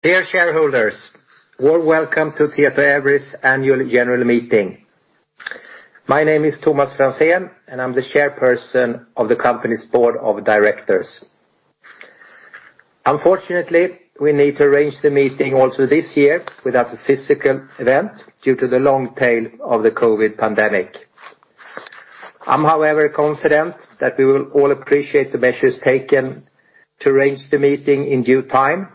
Dear shareholders, warm welcome to Tietoevry's annual general meeting. My name is Tomas Franzén, and I'm the Chairperson of the company's board of directors. Unfortunately, we need to arrange the meeting also this year without a physical event due to the long tail of the COVID pandemic. I'm, however, confident that we will all appreciate the measures taken to arrange the meeting in due time,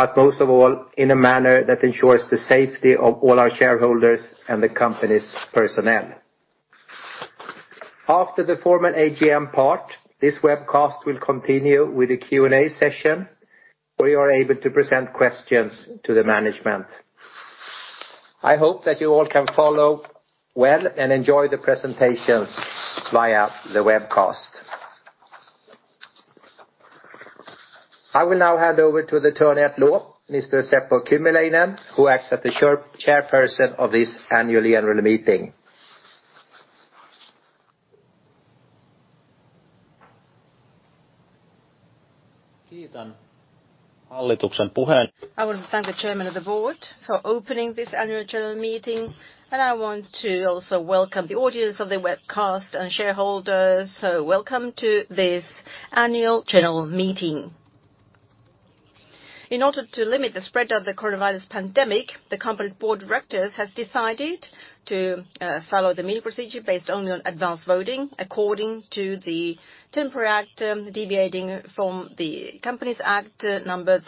but most of all, in a manner that ensures the safety of all our shareholders and the company's personnel. After the formal AGM part, this webcast will continue with a Q&A session, where you are able to present questions to the management. I hope that you all can follow well and enjoy the presentations via the webcast. I will now hand over to the Attorney-at-Law, Mr. Seppo Kymäläinen, who acts as the Chairperson of this annual general meeting. I want to thank the chairman of the board for opening this annual general meeting, and I want to also welcome the audience of the webcast and shareholders. Welcome to this annual general meeting. In order to limit the spread of the coronavirus pandemic, the company's board of directors has decided to follow the meeting procedure based only on advanced voting according to the Temporary Act, deviating from the Companies Act number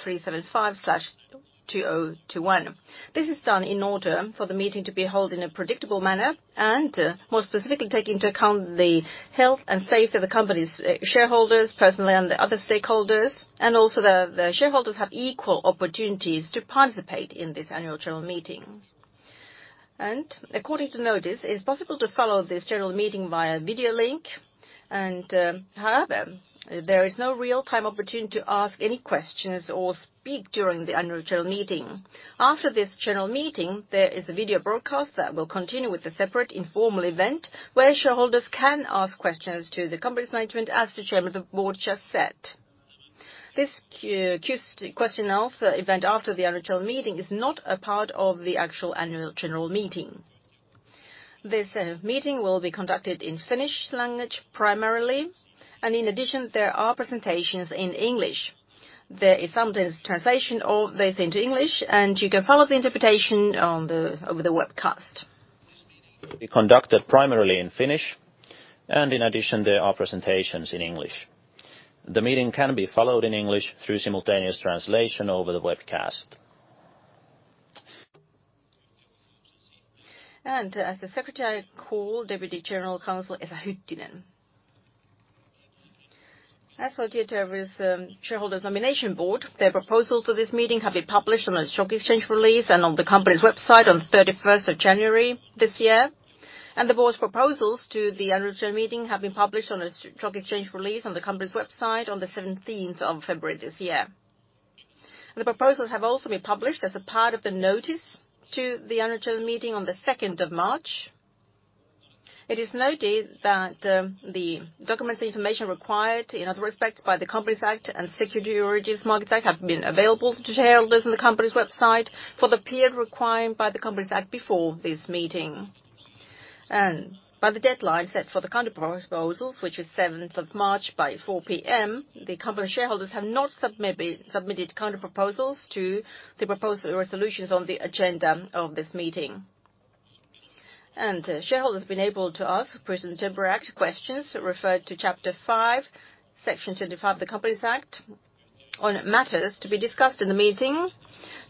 375/2021. This is done in order for the meeting to be held in a predictable manner and more specifically take into account the health and safety of the company's shareholders personally and the other stakeholders, and also the shareholders have equal opportunities to participate in this annual general meeting. According to notice, it is possible to follow this general meeting via video link. However, there is no real-time opportunity to ask any questions or speak during the annual general meeting. After this general meeting, there is a video broadcast that will continue with a separate informal event where shareholders can ask questions to the company's management, as the chairman of the board just said. This question answer event after the annual general meeting is not a part of the actual annual general meeting. This meeting will be conducted in Finnish language primarily. In addition, there are presentations in English. There is simultaneous translation of this into English, and you can follow the interpretation over the webcast. be conducted primarily in Finnish, and in addition, there are presentations in English. The meeting can be followed in English through simultaneous translation over the webcast. As the secretary, I call Deputy General Counsel Esa Hyttinen. As for Tietoevry's shareholders nomination board, their proposals for this meeting have been published on a stock exchange release and on the company's website on 31st of January this year. The board's proposals to the annual general meeting have been published on a stock exchange release on the company's website on the 17th of February this year. The proposals have also been published as a part of the notice to the annual general meeting on the March 2nd. It is noted that the documents and information required in other respects by the Companies Act and Securities Market Act have been available to shareholders on the company's website for the period required by the Companies Act before this meeting. By the deadline set for the counter proposals, which is seventh of March by 4:00 P.M., the company shareholders have not submitted counter proposals to the proposed resolutions on the agenda of this meeting. Shareholders have been able to ask, per the Temporary Act, questions referred to Chapter 5, Section 25 of the Companies Act, on matters to be discussed in the meeting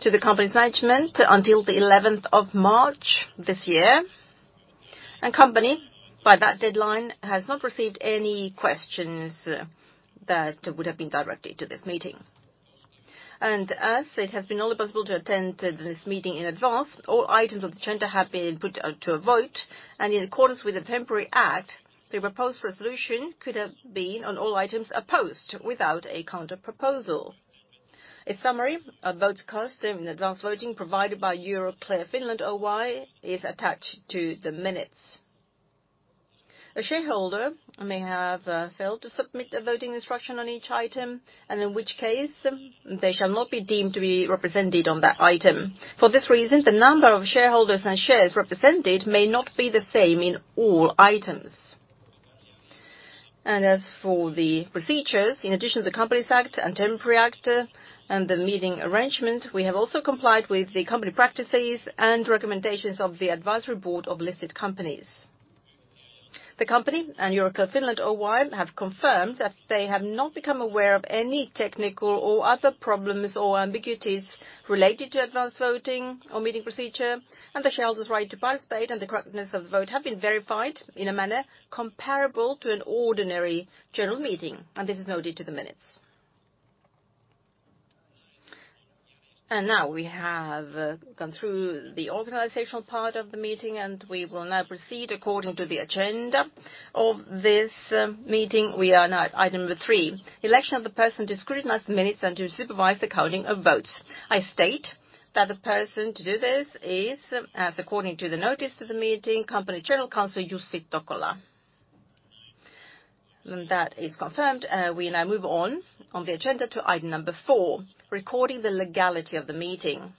to the company's management until the eleventh of March this year. Company, by that deadline, has not received any questions that would have been directed to this meeting. As it has been only possible to attend to this meeting in advance, all items on the agenda have been put to a vote. In accordance with the Temporary Act, the proposed resolution could have been on all items opposed without a counter proposal. A summary of votes cast in an advance voting provided by Euroclear Finland Oy is attached to the minutes. A shareholder may have failed to submit a voting instruction on each item, and in which case they shall not be deemed to be represented on that item. For this reason, the number of shareholders and shares represented may not be the same in all items. As for the procedures, in addition to the Companies Act and Temporary Act, and the meeting arrangements, we have also complied with the company practices and recommendations of the Advisory Board of Listed Companies. The company and Euroclear Finland Oy have confirmed that they have not become aware of any technical or other problems or ambiguities related to advance voting or meeting procedure, and the shareholders' right to participate and the correctness of the vote have been verified in a manner comparable to an ordinary general meeting, and this is noted to the minutes. Now we have gone through the organizational part of the meeting, and we will now proceed according to the agenda of this meeting. We are now at item number three, election of the person to scrutinize the minutes and to supervise the counting of votes. I state that the person to do this is, as according to the notice of the meeting, Company General Counsel Jussi Tokola. That is confirmed. We now move on the agenda to item four, recording the legality of the meeting.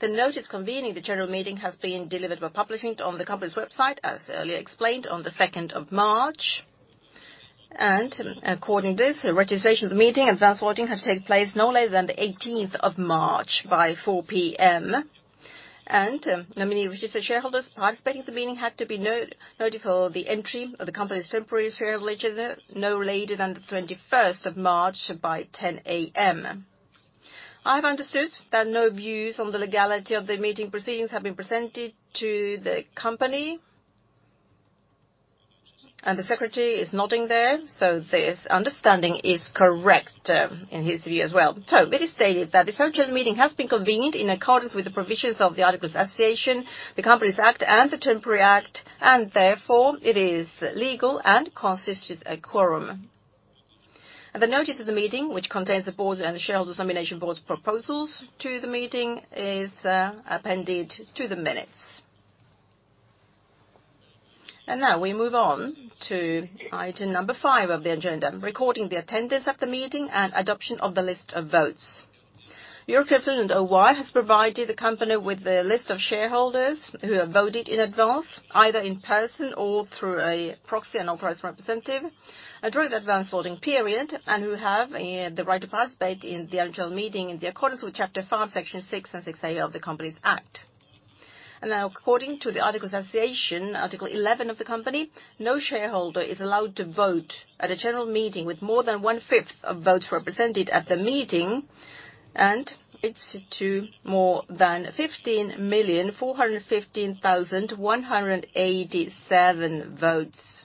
The notice convening the general meeting has been delivered by publishing it on the company's website, as earlier explained, on March 2nd. According to this, the registration of the meeting and advance voting had to take place no later than March 18th by 4:00 P.M. Nominee registered shareholders participating in the meeting had to be notified of the entry of the company's temporary shareholder ledger no later than March 21st by 10:00 A.M. I've understood that no views on the legality of the meeting proceedings have been presented to the company. The secretary is nodding there, so this understanding is correct in his view as well. It is stated that this virtual meeting has been convened in accordance with the provisions of the Articles of Association, the Companies Act and the Temporary Act, and therefore it is legal and constitutes a quorum. The notice of the meeting, which contains the board and the shareholders' nomination board's proposals to the meeting, is appended to the minutes. Now we move on to item number five of the agenda, recording the attendance at the meeting and adoption of the list of votes. Euroclear Finland Oy has provided the company with the list of shareholders who have voted in advance, either in person or through a proxy or an authorized representative, and during the advance voting period, and who have the right to participate in the annual general meeting in accordance with Chapter five, Section 6 and Section 6A of the Companies Act. Now, according to the Articles of Association, Article 11 of the company, no shareholder is allowed to vote at a general meeting with more than 1/5 of votes represented at the meeting. It's to more than 15,415,187 votes.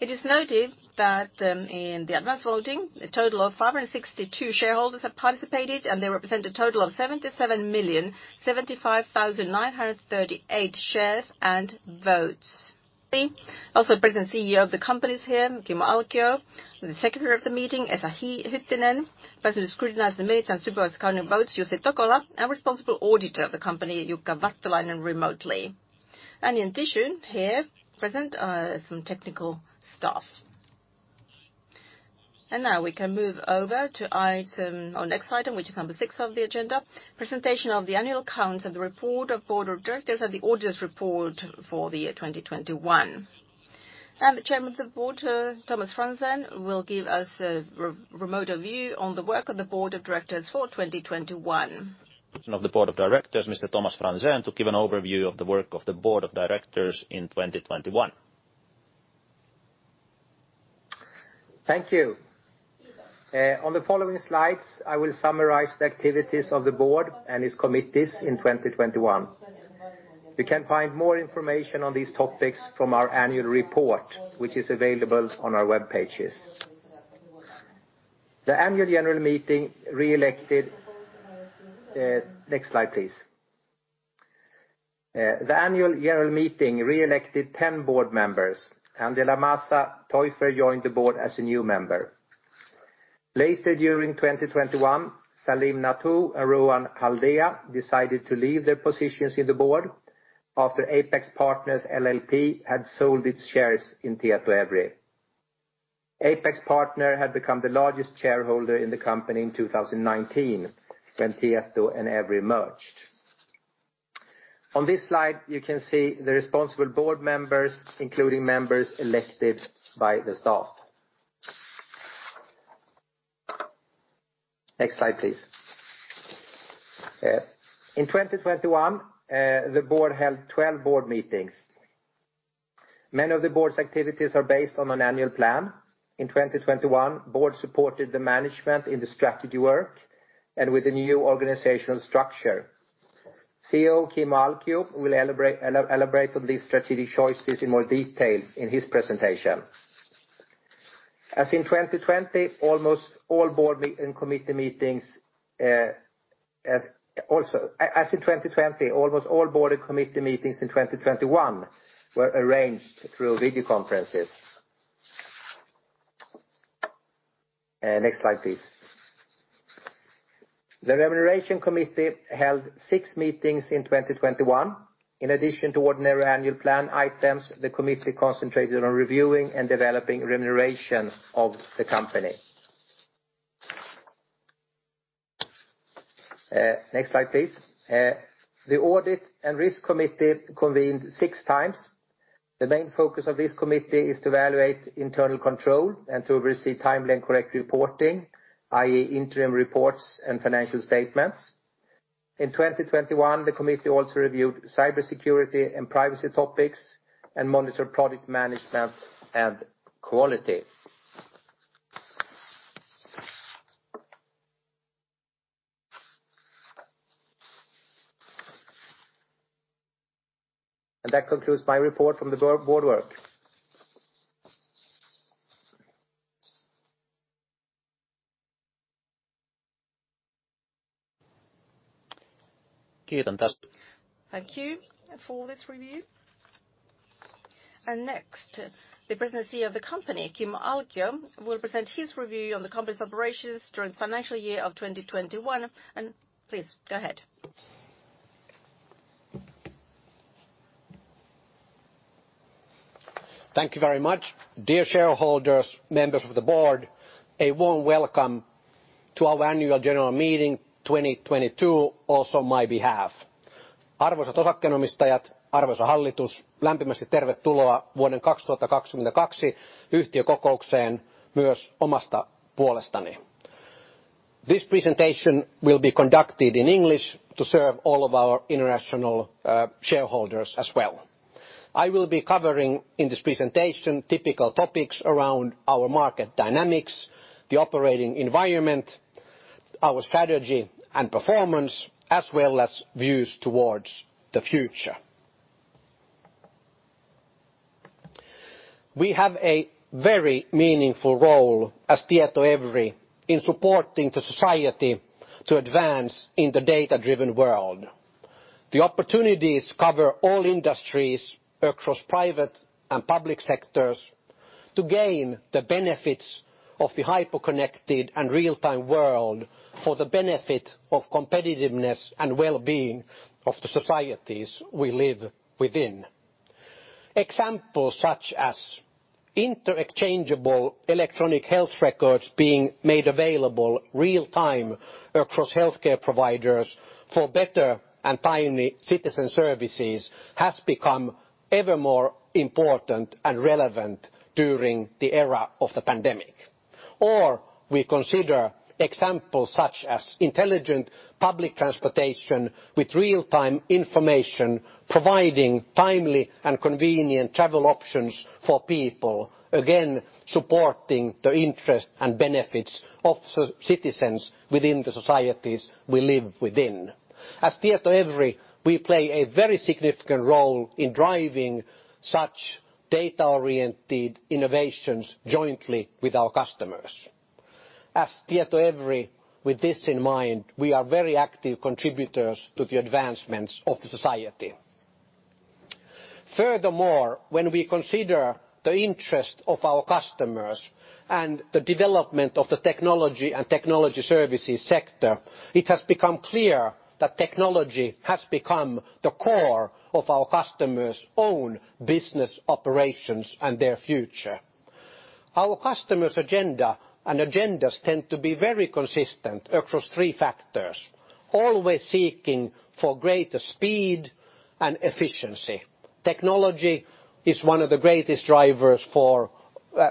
It is noted that in the advance voting, a total of 562 shareholders have participated, and they represent a total of 77,075,938 shares and votes. Also, the President and Chief Executive Officer of the company is here, Kimmo Alkio. The secretary of the meeting, Esa Hyttinen. The person who scrutinized the minutes and supervised counting votes, Jussi Tokola. Responsible auditor of the company, Jukka Vattulainen, remotely. In addition, here present some technical staff. Now we can move over to item... Our next item, which is number six of the agenda, presentation of the annual accounts and the report of the Board of Directors and the Auditor's Report for the year 2021. The Chairman of the Board, Tomas Franzén, will give us a remote overview on the work of the board of directors for 2021. Of the board of directors, Mr. Tomas Franzén, to give an overview of the work of the board of directors in 2021. Thank you. On the following slides, I will summarize the activities of the board and its committees in 2021. You can find more information on these topics from our annual report, which is available on our web pages. The annual general meeting reelected 10 board members. Angela Mazza Teufer joined the board as a new member. Later during 2021, Salim Nathoo and Rohan Haldea decided to leave their positions in the board after Apax Partners LLP had sold its shares in Tietoevry. Apax Partners had become the largest shareholder in the company in 2019 when Tieto and EVRY merged. On this slide, you can see the responsible board members, including members elected by the staff. Next slide, please. In 2021, the board held 12 board meetings. Many of the board's activities are based on an annual plan. In 2021, board supported the management in the strategy work and with the new organizational structure. Chief Executive Officer Kimmo Alkio will elaborate on these strategic choices in more detail in his presentation. As in 2020, almost all board and committee meetings in 2021 were arranged through video conferences. Next slide, please. The remuneration committee held six meetings in 2021. In addition to ordinary annual plan items, the committee concentrated on reviewing and developing remuneration of the company. Next slide, please. The audit and risk committee convened six times. The main focus of this committee is to evaluate internal control and to receive timely and correct reporting, i.e., interim reports and financial statements. In 2021, the committee also reviewed cybersecurity and privacy topics and monitored product management and quality. That concludes my report from the board work. Thank you for this review. Next, the President and Chief Executive Officer of the company, Kimmo Alkio, will present his review on the company's operations during the financial year of 2021. Please go ahead. Thank you very much. Dear shareholders, members of the board, a warm welcome to our annual general meeting, 2022, also on my behalf. Arvoisat osakkeenomistajat, arvoisa hallitus, lämpimästi tervetuloa vuoden 2022 yhtiökokoukseen myös omasta puolestani. This presentation will be conducted in English to serve all of our international shareholders as well. I will be covering, in this presentation, typical topics around our market dynamics, the operating environment, our strategy and performance, as well as views towards the future. We have a very meaningful role as Tietoevry in supporting the society to advance in the data-driven world. The opportunities cover all industries across private and public sectors to gain the benefits of the hyper-connected and real-time world for the benefit of competitiveness and well-being of the societies we live within. Examples such as interchangeable electronic health records being made available real-time across healthcare providers for better and timely citizen services has become ever more important and relevant during the era of the pandemic. We consider examples such as intelligent public transportation with real-time information providing timely and convenient travel options for people, again, supporting the interest and benefits of citizens within the societies we live within. As Tietoevry, we play a very significant role in driving such data-oriented innovations jointly with our customers. As Tietoevry, with this in mind, we are very active contributors to the advancements of the society. Furthermore, when we consider the interest of our customers and the development of the technology and technology services sector, it has become clear that technology has become the core of our customers' own business operations and their future. Our customers' agenda and agendas tend to be very consistent across three factors, always seeking for greater speed and efficiency. Technology is one of the greatest drivers for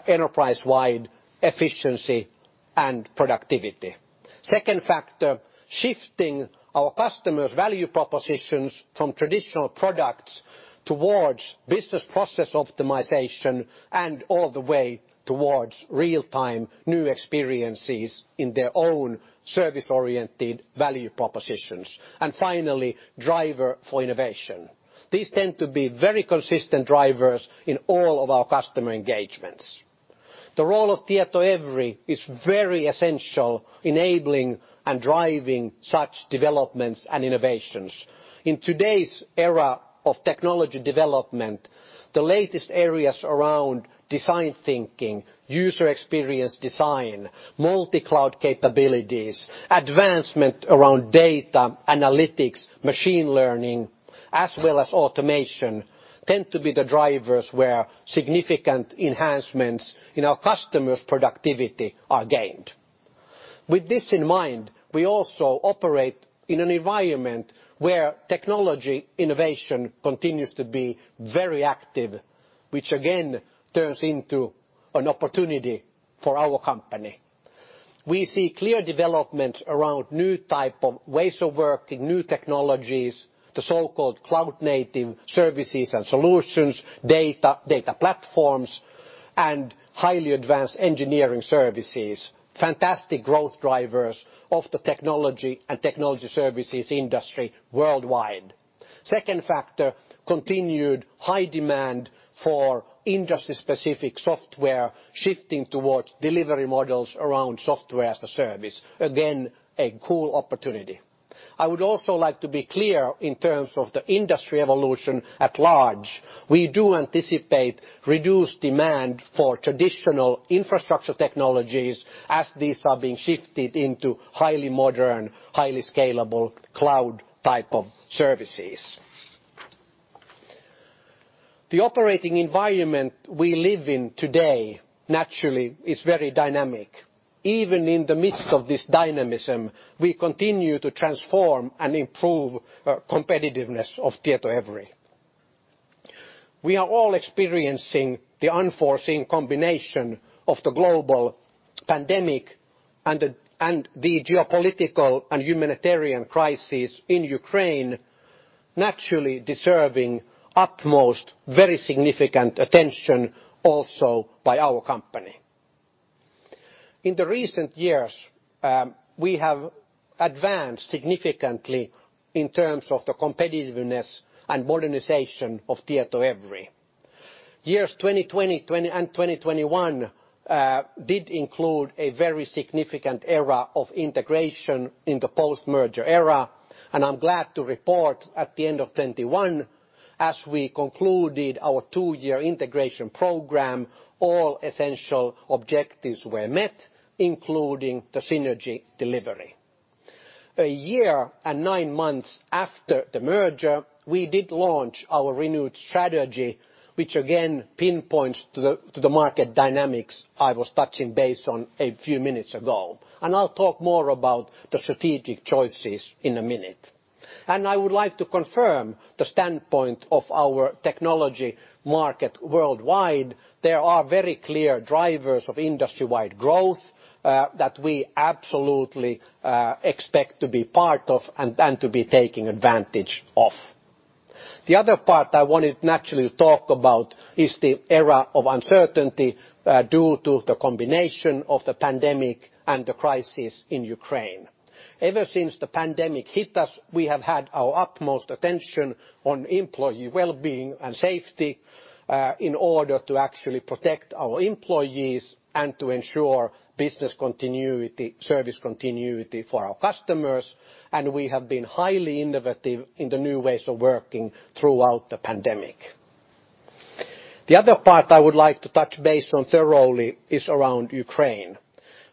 enterprise-wide efficiency and productivity. Second factor, shifting our customers' value propositions from traditional products towards business process optimization and all the way towards real-time new experiences in their own service-oriented value propositions. Finally, driver for innovation. These tend to be very consistent drivers in all of our customer engagements. The role of Tietoevry is very essential enabling and driving such developments and innovations. In today's era of technology development, the latest areas around design thinking, user experience design, multi-cloud capabilities, advancement around data analytics, machine learning, as well as automation, tend to be the drivers where significant enhancements in our customers' productivity are gained. With this in mind, we also operate in an environment where technology innovation continues to be very active, which again turns into an opportunity for our company. We see clear development around new type of ways of working, new technologies, the so-called cloud native services and solutions, data platforms, and highly advanced engineering services. Fantastic growth drivers of the technology and technology services industry worldwide. Second factor, continued high demand for industry-specific software shifting towards delivery models around software as a service. Again, a cool opportunity. I would also like to be clear in terms of the industry evolution at large. We do anticipate reduced demand for traditional infrastructure technologies as these are being shifted into highly modern, highly scalable cloud type of services. The operating environment we live in today naturally is very dynamic. Even in the midst of this dynamism, we continue to transform and improve competitiveness of Tietoevry. We are all experiencing the unforeseen combination of the global pandemic and the geopolitical and humanitarian crisis in Ukraine, naturally deserving utmost, very significant attention also by our company. In the recent years, we have advanced significantly in terms of the competitiveness and modernization of Tietoevry. Years 2020 and 2021 did include a very significant era of integration in the post-merger era, and I'm glad to report at the end of 2021, as we concluded our two-year integration program, all essential objectives were met, including the synergy delivery. A year and nine months after the merger, we did launch our renewed strategy, which again pinpoints to the market dynamics I was touching base on a few minutes ago. I'll talk more about the strategic choices in a minute. I would like to confirm the standpoint of our technology market worldwide, there are very clear drivers of industry-wide growth that we absolutely expect to be part of and to be taking advantage of. The other part I wanted naturally to talk about is the era of uncertainty due to the combination of the pandemic and the crisis in Ukraine. Ever since the pandemic hit us, we have had our utmost attention on employee wellbeing and safety in order to actually protect our employees and to ensure business continuity, service continuity for our customers. We have been highly innovative in the new ways of working throughout the pandemic. The other part I would like to touch base on thoroughly is around Ukraine.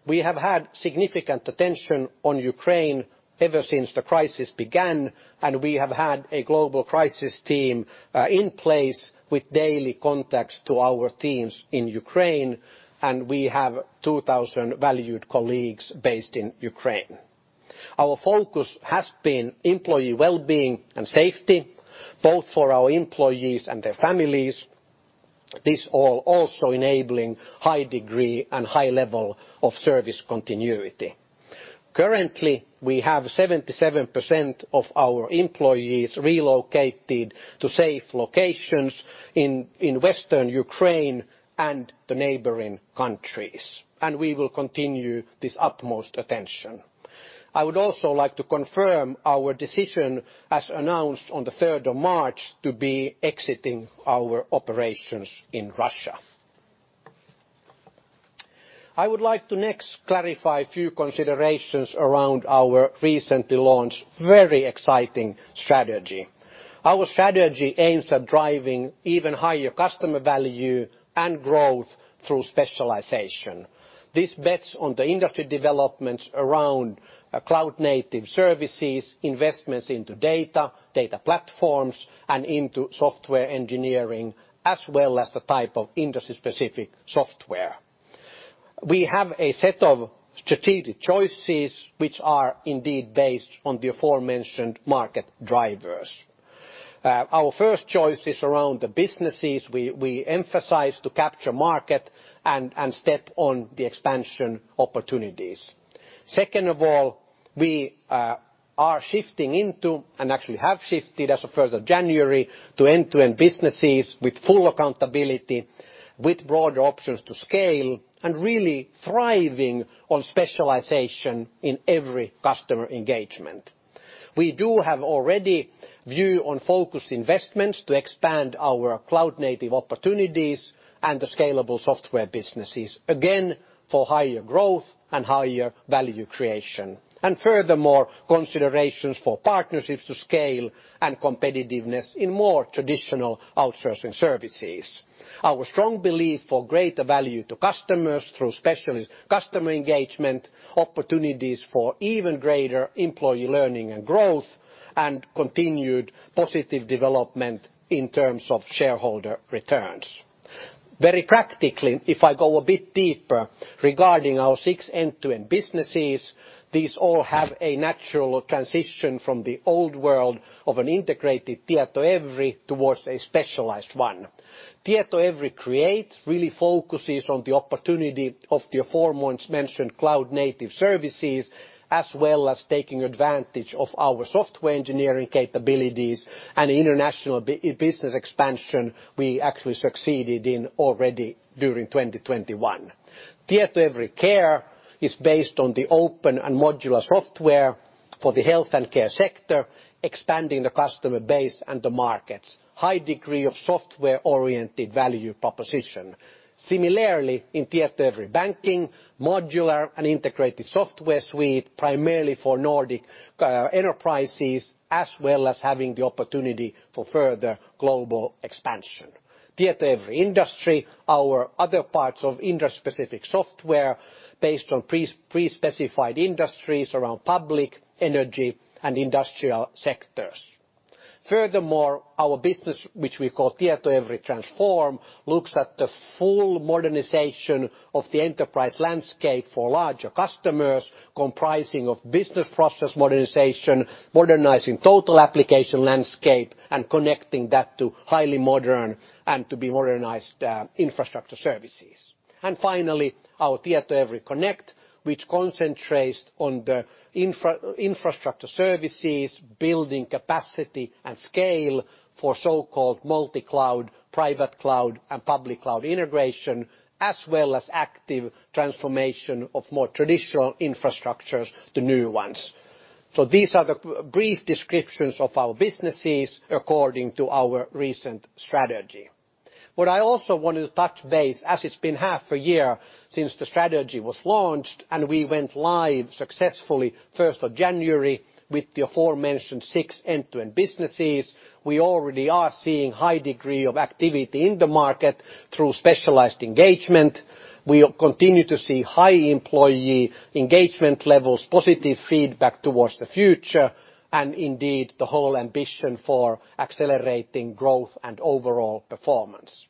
We have had significant attention on Ukraine ever since the crisis began, and we have had a global crisis team in place with daily contacts to our teams in Ukraine, and we have 2,000 valued colleagues based in Ukraine. Our focus has been employee wellbeing and safety, both for our employees and their families. This all also enabling high degree and high level of service continuity. Currently, we have 77% of our employees relocated to safe locations in Western Ukraine and the neighboring countries, and we will continue this utmost attention. I would also like to confirm our decision, as announced on the third of March, to be exiting our operations in Russia. I would like to next clarify a few considerations around our recently launched, very exciting strategy. Our strategy aims at driving even higher customer value and growth through specialization. This bets on the industry developments around cloud-native services, investments into data platforms, and into software engineering, as well as the type of industry-specific software. We have a set of strategic choices which are indeed based on the aforementioned market drivers. Our first choice is around the businesses we emphasize to capture market and step on the expansion opportunities. Second of all, we are shifting into, and actually have shifted as of first of January, to end-to-end businesses with full accountability, with broader options to scale, and really thriving on specialization in every customer engagement. We already have a view on focused investments to expand our cloud-native opportunities and the scalable software businesses, again, for higher growth and higher value creation. Furthermore, considerations for partnerships to scale and competitiveness in more traditional outsourcing services. Our strong belief for greater value to customers through specialist customer engagement, opportunities for even greater employee learning and growth, and continued positive development in terms of shareholder returns. Very practically, if I go a bit deeper regarding our six end-to-end businesses, these all have a natural transition from the old world of an integrated Tietoevry towards a specialized one. Tietoevry Create really focuses on the opportunity of the aforementioned cloud-native services, as well as taking advantage of our software engineering capabilities and international business expansion we actually succeeded in already during 2021. Tietoevry Care is based on the open and modular software for the health and care sector, expanding the customer base and the markets. High degree of software-oriented value proposition. Similarly, in Tietoevry Banking, modular and integrated software suite, primarily for Nordic enterprises, as well as having the opportunity for further global expansion. Tietoevry Industry, our other parts of industry-specific software based on prespecified industries around public, energy, and industrial sectors. Furthermore, our business, which we call Tietoevry Transform, looks at the full modernization of the enterprise landscape for larger customers, comprising of business process modernization, modernizing total application landscape, and connecting that to highly modern and to-be-modernized infrastructure services. Finally, our Tietoevry Connect, which concentrates on the infrastructure services, building capacity and scale for so-called multi-cloud, private cloud, and public cloud integration, as well as active transformation of more traditional infrastructures to new ones. These are the brief descriptions of our businesses according to our recent strategy. What I also wanted to touch base, as it's been half a year since the strategy was launched, and we went live successfully January 1stwith the aforementioned six end-to-end businesses. We already are seeing high degree of activity in the market through specialized engagement. We continue to see high employee engagement levels, positive feedback towards the future, and indeed, the whole ambition for accelerating growth and overall performance.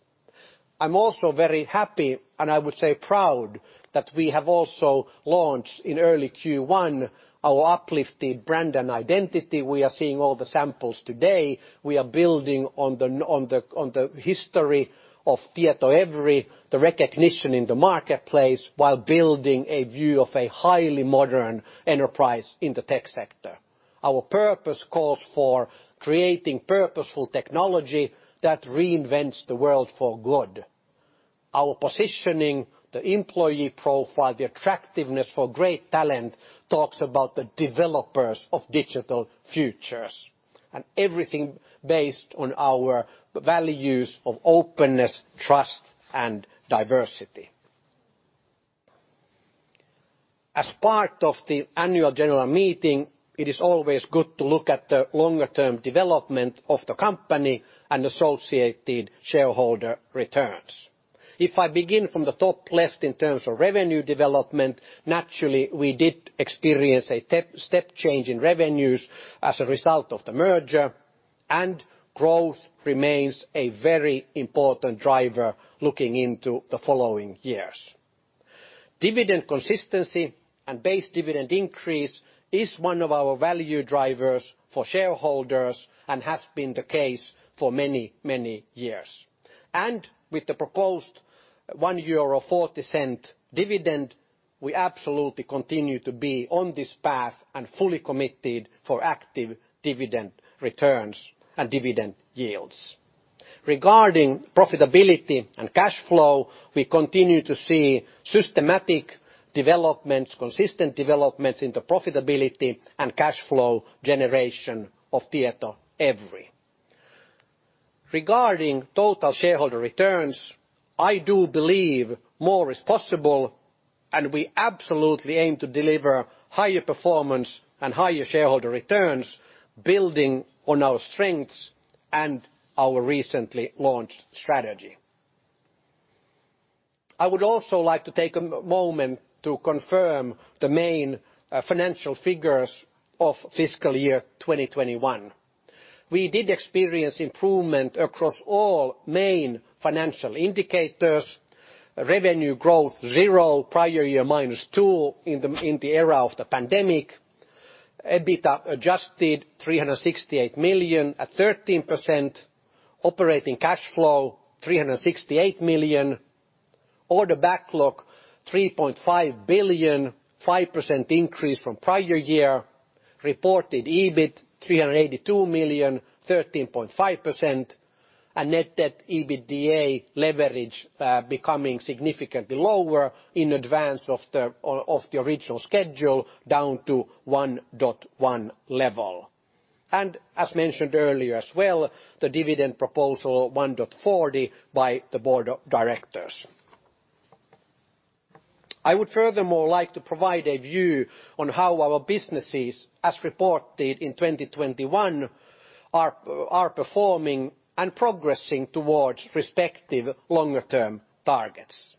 I'm also very happy, and I would say proud, that we have also launched in early Q1 our uplifted brand and identity. We are seeing all the samples today. We are building on the history of Tietoevry, the recognition in the marketplace, while building a view of a highly modern enterprise in the tech sector. Our purpose calls for creating purposeful technology that reinvents the world for good. Our positioning, the employee profile, the attractiveness for great talent, talks about the developers of digital futures, and everything based on our values of openness, trust, and diversity. As part of the annual general meeting, it is always good to look at the longer term development of the company and associated shareholder returns. If I begin from the top left in terms of revenue development, naturally, we did experience a step change in revenues as a result of the merger, and growth remains a very important driver looking into the following years. Dividend consistency and base dividend increase is one of our value drivers for shareholders and has been the case for many, many years. With the proposed 1.40 euro dividend, we absolutely continue to be on this path and fully committed for active dividend returns and dividend yields. Regarding profitability and cash flow, we continue to see systematic developments, consistent developments into profitability and cash flow generation of Tietoevry. Regarding total shareholder returns, I do believe more is possible, and we absolutely aim to deliver higher performance and higher shareholder returns building on our strengths and our recently launched strategy. I would also like to take a moment to confirm the main financial figures of fiscal year 2021. We did experience improvement across all main financial indicators. Revenue growth, 0%. Prior year, -2% in the era of the pandemic. EBITA adjusted, 368 million at 13%. Operating cash flow, 368 million. Order backlog, 3.5 billion, 5% increase from prior year. Reported EBIT, 382 million, 13.5%. Net debt EBITDA leverage becoming significantly lower in advance of the original schedule, down to 1.1x level. As mentioned earlier as well, the dividend proposal, 1.40, by the Board of Directors. I would furthermore like to provide a view on how our businesses, as reported in 2021, are performing and progressing towards respective longer term targets.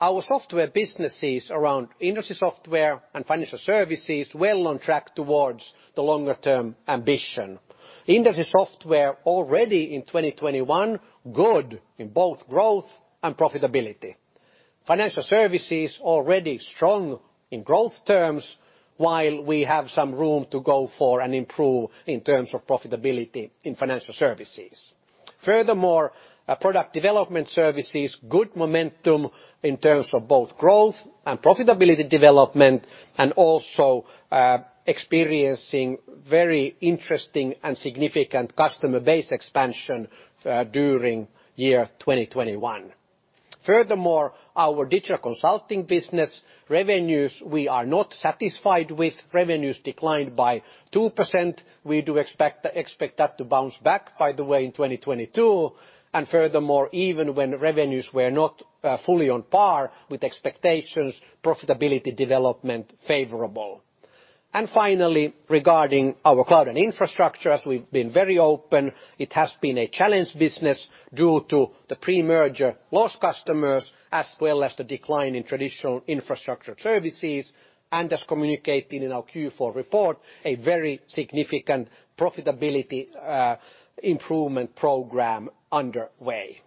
Our software businesses around industry software and financial services well on track towards the longer term ambition. Industry software already in 2021, good in both growth and profitability. Financial services already strong in growth terms, while we have some room to go for and improve in terms of profitability in financial services. Furthermore, product development services, good momentum in terms of both growth and profitability development, and also, experiencing very interesting and significant customer base expansion, during year 2021. Furthermore, our digital consulting business revenues we are not satisfied with. Revenues declined by 2%. We do expect that to bounce back, by the way, in 2022. Furthermore, even when revenues were not fully on par with expectations, profitability development was favorable. Finally, regarding our cloud and infrastructure, as we've been very open, it has been a challenged business due to the pre-merger lost customers as well as the decline in traditional infrastructure services, and as communicated in our Q4 report, a very significant profitability improvement program underway.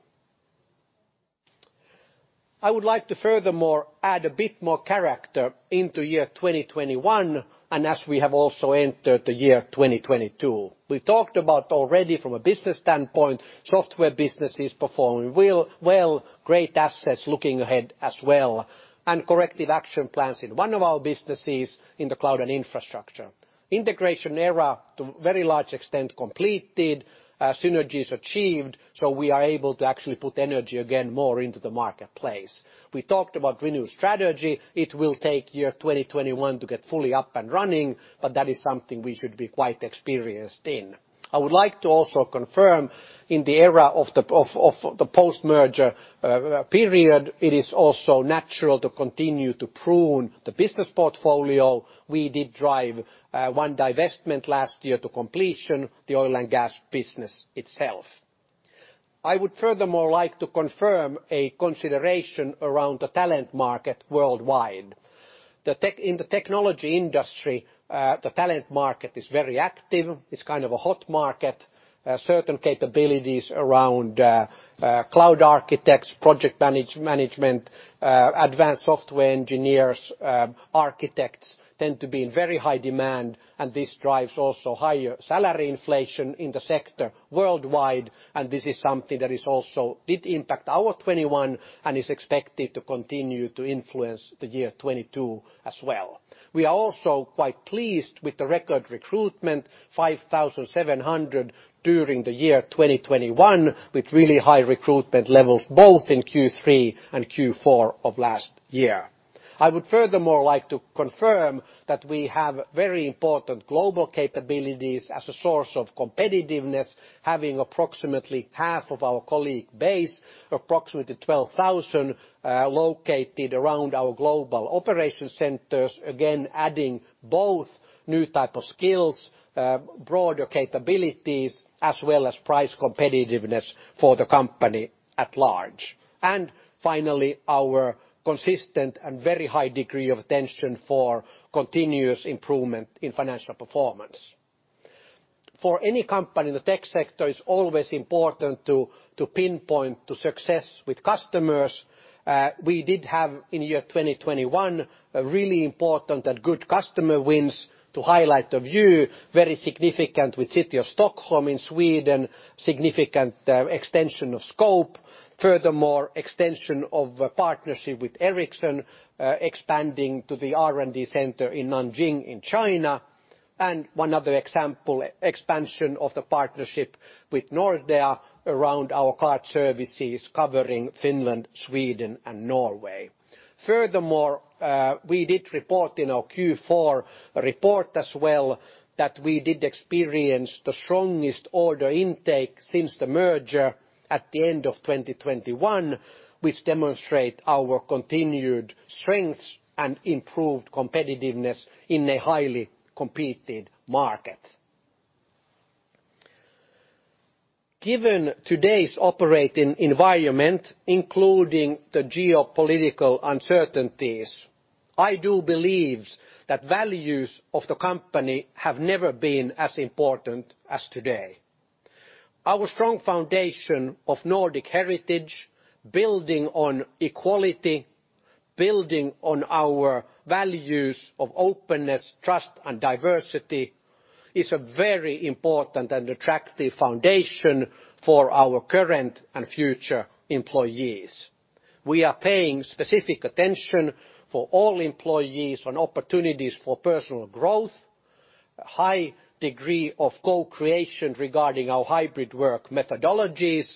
I would like to furthermore add a bit more color to the year 2021 and as we have also entered the year 2022. We talked about already from a business standpoint, software business is performing well. Great assets looking ahead as well, and corrective action plans in one of our businesses in the cloud and infrastructure. Integration era to very large extent completed, synergies achieved, so we are able to actually put energy again more into the marketplace. We talked about renewed strategy. It will take year 2021 to get fully up and running, but that is something we should be quite experienced in. I would like to also confirm in the era of the post-merger period, it is also natural to continue to prune the business portfolio. We did drive one divestment last year to completion, the oil and gas business itself. I would furthermore like to confirm a consideration around the talent market worldwide. The technology industry, the talent market is very active. It's kind of a hot market. Certain capabilities around cloud architects, project management, advanced software engineers, architects tend to be in very high demand, and this drives also higher salary inflation in the sector worldwide, and this is something that is also did impact our 2021 and is expected to continue to influence the year 2022 as well. We are also quite pleased with the record recruitment, 5,700 during the year 2021, with really high recruitment levels both in Q3 and Q4 of last year. I would furthermore like to confirm that we have very important global capabilities as a source of competitiveness, having approximately half of our colleague base, approximately 12,000, located around our global operation centers, again adding both new type of skills, broader capabilities, as well as price competitiveness for the company at large. Finally, our consistent and very high degree of attention for continuous improvement in financial performance. For any company, the tech sector is always important to pinpoint success with customers. We did have in 2021 really important and good customer wins to highlight the view, very significant with City of Stockholm in Sweden, significant extension of scope. Furthermore, extension of a partnership with Ericsson expanding to the R&D center in Nanjing in China. One other example, expansion of the partnership with Nordea around our card services covering Finland, Sweden and Norway. Furthermore, we did report in our Q4 report as well that we did experience the strongest order intake since the merger at the end of 2021, which demonstrate our continued strengths and improved competitiveness in a highly competitive market. Given today's operating environment, including the geopolitical uncertainties, I do believe that values of the company have never been as important as today. Our strong foundation of Nordic heritage, building on equality, building on our values of openness, trust, and diversity, is a very important and attractive foundation for our current and future employees. We are paying specific attention for all employees on opportunities for personal growth, a high degree of co-creation regarding our hybrid work methodologies,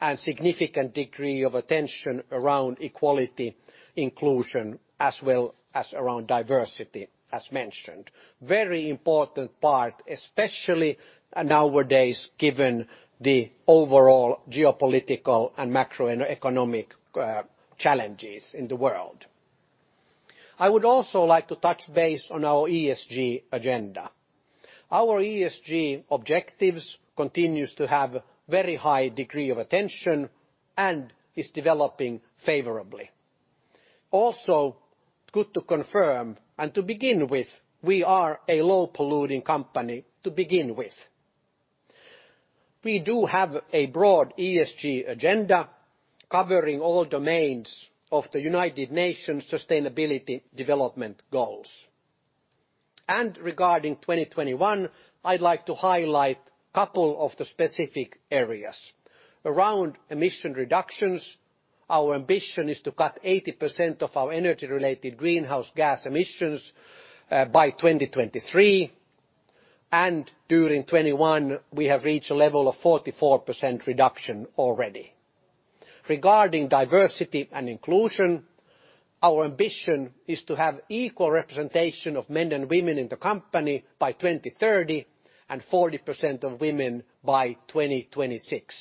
and significant degree of attention around equality inclusion, as well as around diversity, as mentioned. Very important part, especially nowadays, given the overall geopolitical and macroeconomic challenges in the world. I would also like to touch base on our ESG agenda. Our ESG objectives continues to have very high degree of attention and is developing favorably. Also, good to confirm, and to begin with, we are a low-polluting company to begin with. We do have a broad ESG agenda covering all domains of the United Nations Sustainable Development Goals. Regarding 2021, I'd like to highlight couple of the specific areas. Around emission reductions, our ambition is to cut 80% of our energy-related greenhouse gas emissions by 2023. During 2021, we have reached a level of 44% reduction already. Regarding diversity and inclusion, our ambition is to have equal representation of men and women in the company by 2030 and 40% of women by 2026.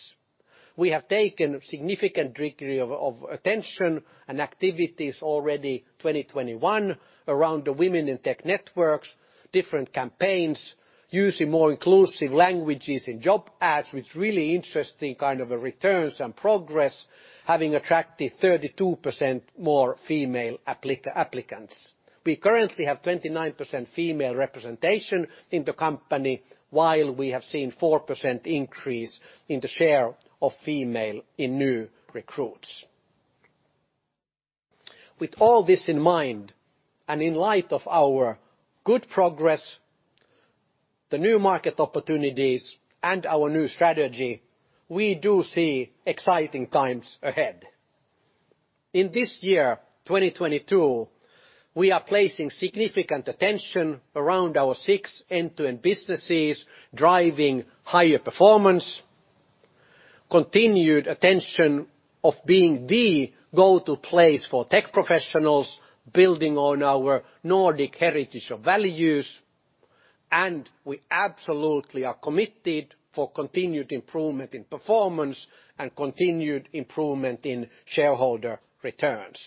We have taken significant degree of attention and activities already 2021 around the Women in Tech networks, different campaigns, using more inclusive languages in job ads, with really interesting kind of a returns and progress, having attracted 32% more female applicants. We currently have 29% female representation in the company, while we have seen 4% increase in the share of female in new recruits. With all this in mind, and in light of our good progress, the new market opportunities, and our new strategy, we do see exciting times ahead. In this year, 2022, we are placing significant attention around our six end-to-end businesses, driving higher performance, continued attention of being the go-to place for tech professionals, building on our Nordic heritage of values, and we absolutely are committed for continued improvement in performance and continued improvement in shareholder returns.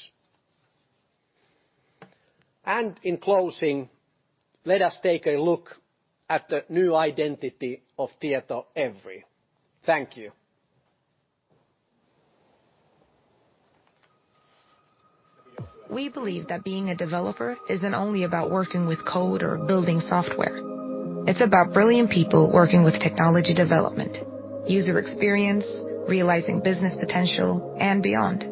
In closing, let us take a look at the new identity of Tietoevry. Thank you. We believe that being a developer isn't only about working with code or building software. It's about brilliant people working with technology development, user experience, realizing business potential and beyond.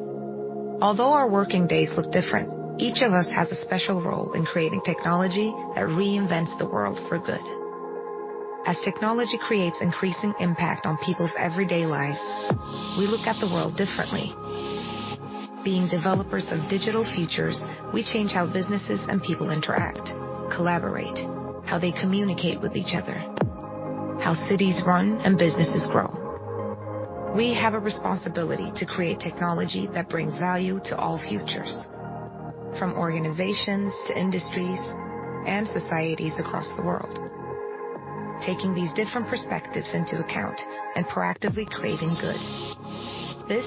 Although our working days look different, each of us has a special role in creating technology that reinvents the world for good. As technology creates increasing impact on people's everyday lives, we look at the world differently. Being developers of digital futures, we change how businesses and people interact, collaborate, how they communicate with each other, how cities run and businesses grow. We have a responsibility to create technology that brings value to all futures, from organizations to industries and societies across the world, taking these different perspectives into account and proactively creating good. This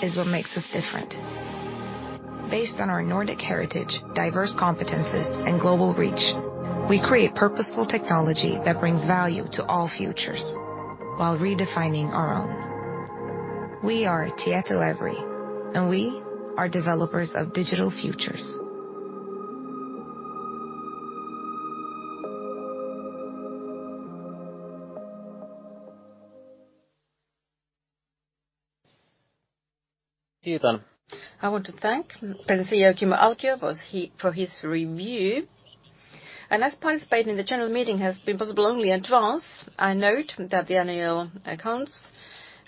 is what makes us different. Based on our Nordic heritage, diverse competencies and global reach, we create purposeful technology that brings value to all futures while redefining our own. We are Tietoevry, and we are developers of digital futures. I want to thank President and Chief Executive Officer Kimmo Alkio for his review. As participating in the general meeting has been possible only in advance, I note that the annual accounts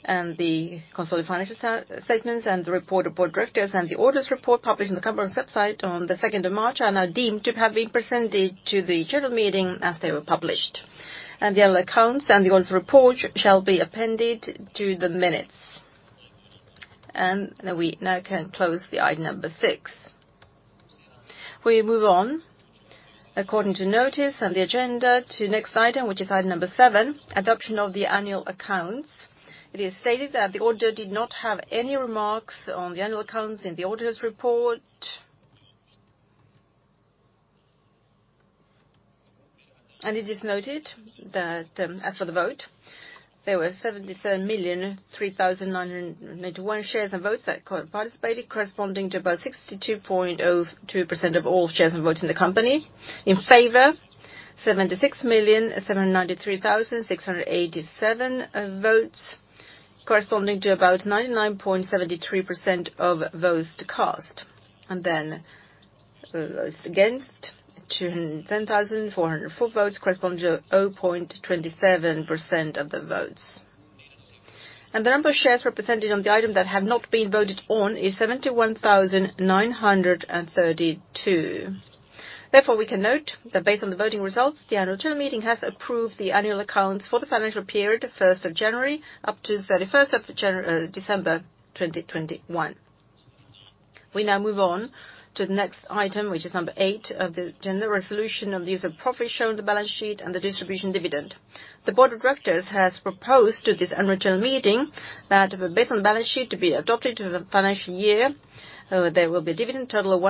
and the consolidated financial statements, and the report of the Board of Directors and the auditors' report published on the company's website on the second of March are now deemed to have been presented to the general meeting as they were published. The annual accounts and the auditors' report shall be appended to the minutes. We now can close item number six. We move on according to notice on the agenda to next item, which is item number seven, adoption of the annual accounts. It is stated that the auditor did not have any remarks on the annual accounts in the auditor's report. It is noted that, as for the vote, there were 77,003,991 shares and votes that co-participated, corresponding to about 62.02% of all shares and votes in the company. In favor, 76,793,687 votes, corresponding to about 99.73% of votes cast. As against, 210,404 votes, corresponding to 0.27% of the votes. The number of shares represented on the item that have not been voted on is 71,932. Therefore, we can note that based on the voting results, the annual general meeting has approved the annual accounts for the financial period first of January up to December 31st, 2021. We now move on to the next item, which is number eight of the agenda resolution on the use of profits shown on the balance sheet and the distribution of dividend. The board of directors has proposed to this annual general meeting that based on the balance sheet to be adopted for the financial year, there will be a dividend total of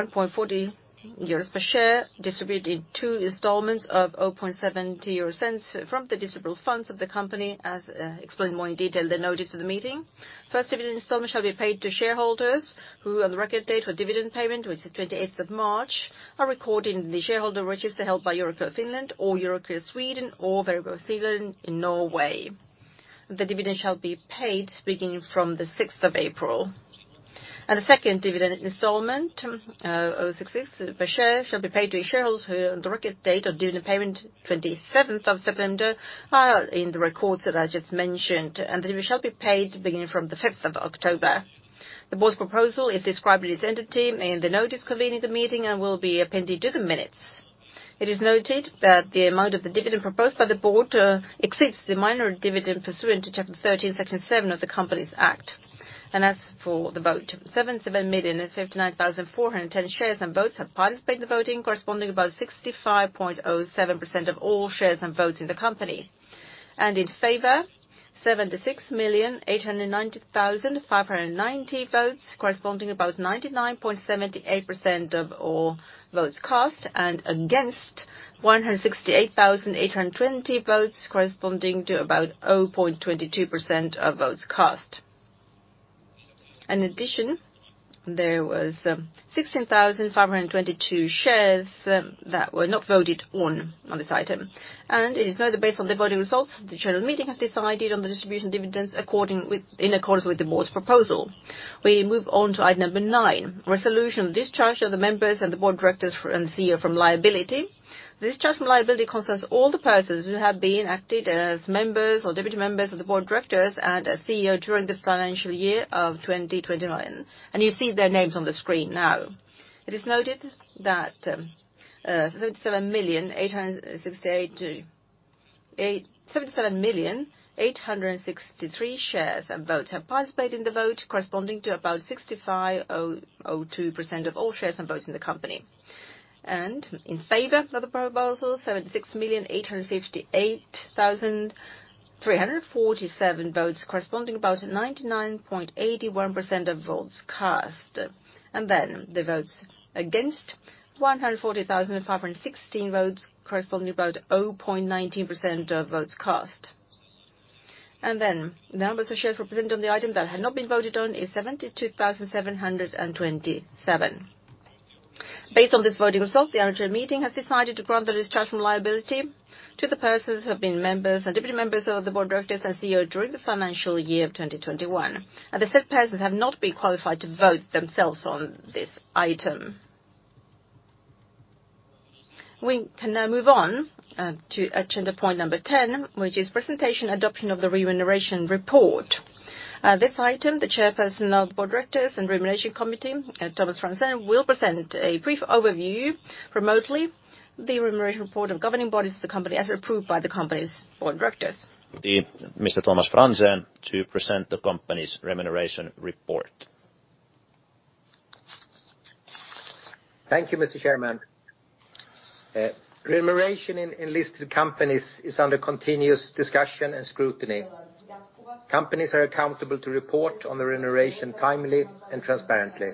1.40 euros per share, distributed in two installments of 0.70 euros from the distributable funds of the company, as explained more in detail in the notice of the meeting. First dividend installment shall be paid to shareholders who on the record date for dividend payment, which is the March 28th, are recorded in the shareholder register held by Euroclear Finland or Euroclear Sweden or Verdipapirsentralen, Norway. The dividend shall be paid beginning from the April 6th. The second dividend installment of 6 per share shall be paid to shareholders who on the record date of dividend payment, September 27th, are in the records that I just mentioned, and the dividend shall be paid beginning from the October 5th. The board's proposal is described in its entirety in the notice convening the meeting and will be appended to the minutes. It is noted that the amount of the dividend proposed by the board exceeds the minor dividend pursuant to Chapter 13, Section 7 of the Companies Act. As for the vote, 7,059,410 shares and votes have participated in the voting, corresponding to about 65.07% of all shares and votes in the company. In favor, 76,890,590 votes, corresponding to about 99.78% of all votes cast, and against, 168,820 votes, corresponding to about 0.22% of votes cast. In addition, there was 16,522 shares that were not voted on on this item. It is noted based on the voting results that the general meeting has decided on the distribution of dividends in accordance with the board's proposal. We move on to item number nine, resolution discharge of the members of the Board of Directors and Chief Executive Officer from liability. Discharge from liability concerns all the persons who have been acting as members or deputy members of the Board of Directors and as Chief Executive Officer during the financial year of 2021. You see their names on the screen now. It is noted that 77,863,000 shares and votes have participated in the vote, corresponding to about 65.02% of all shares and votes in the company. In favor of the proposal, 76,858,347 votes corresponding about 99.81% of votes cast. The votes against 140,516 votes corresponding about 0.19% of votes cast. The numbers of shares represented on the item that had not been voted on is 72,727 shares. Based on this voting result, the annual meeting has decided to grant the discharge from liability to the persons who have been members and deputy members of the Board of Directors and Chief Executive Officer during the financial year 2021, and the said persons have not been qualified to vote themselves on this item. We can now move on to agenda point number 10, which is presentation and adoption of the remuneration report. This item, the Chairperson of the Board of Directors and Remuneration Committee, Tomas Franzén, will present a brief overview remotely of the remuneration report of governing bodies of the company as approved by the company's Board of Directors. Mr. Tomas Franzén to present the company's remuneration report. Thank you, Mr. Chairman. Remuneration in listed companies is under continuous discussion and scrutiny. Companies are accountable to report on the remuneration timely and transparently.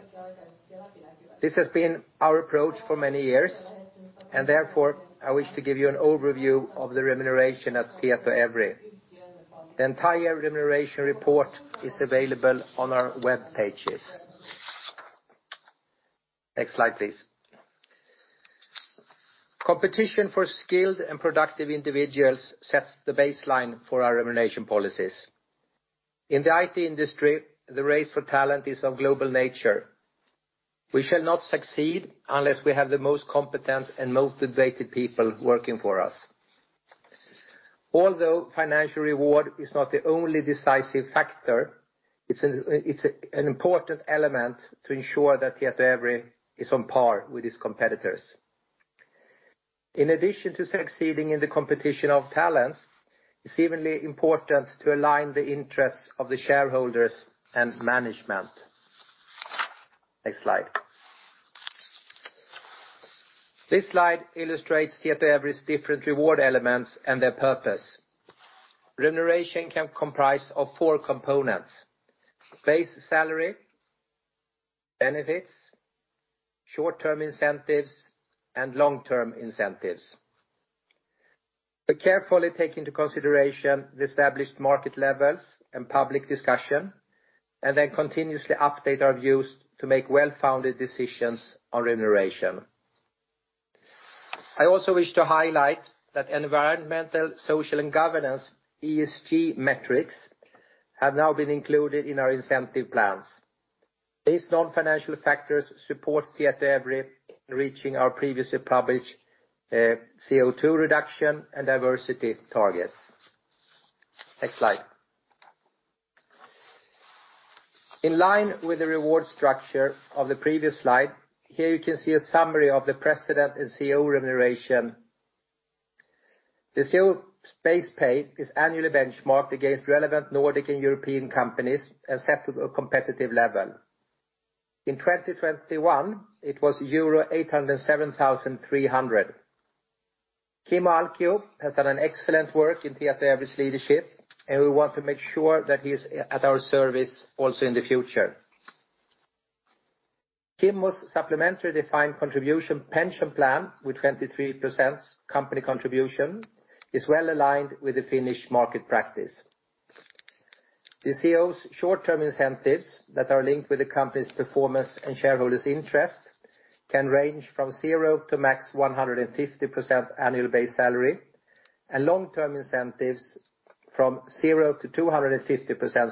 This has been our approach for many years, and therefore I wish to give you an overview of the remuneration at Tietoevry. The entire remuneration report is available on our web pages. Next slide, please. Competition for skilled and productive individuals sets the baseline for our remuneration policies. In the IT industry, the race for talent is of global nature. We shall not succeed unless we have the most competent and motivated people working for us. Although financial reward is not the only decisive factor, it's an important element to ensure that Tietoevry is on par with its competitors. In addition to succeeding in the competition of talents, it's equally important to align the interests of the shareholders and management. Next slide. This slide illustrates Tietoevry's different reward elements and their purpose. Remuneration can comprise of four components: base salary, benefits, short-term incentives, and long-term incentives. We carefully take into consideration the established market levels and public discussion, and then continuously update our views to make well-founded decisions on remuneration. I also wish to highlight that environmental, social, and governance, ESG metrics, have now been included in our incentive plans. These non-financial factors support Tietoevry in reaching our previously published, CO2 reduction and diversity targets. Next slide. In line with the reward structure of the previous slide, here you can see a summary of the President and Chief Executive Officer remuneration. The Chief Executive Officer base pay is annually benchmarked against relevant Nordic and European companies and set at a competitive level. In 2021, it was euro 807,300. Kimmo Alkio has done an excellent work in Tietoevry's leadership, and we want to make sure that he's at our service also in the future. Kimmo's supplementary defined contribution pension plan with 23% company contribution is well aligned with the Finnish market practice. The Chief Executive Officer's short-term incentives that are linked with the company's performance and shareholders' interest can range from 0% to max 150% annual base salary, and long-term incentives from 0% to 250%.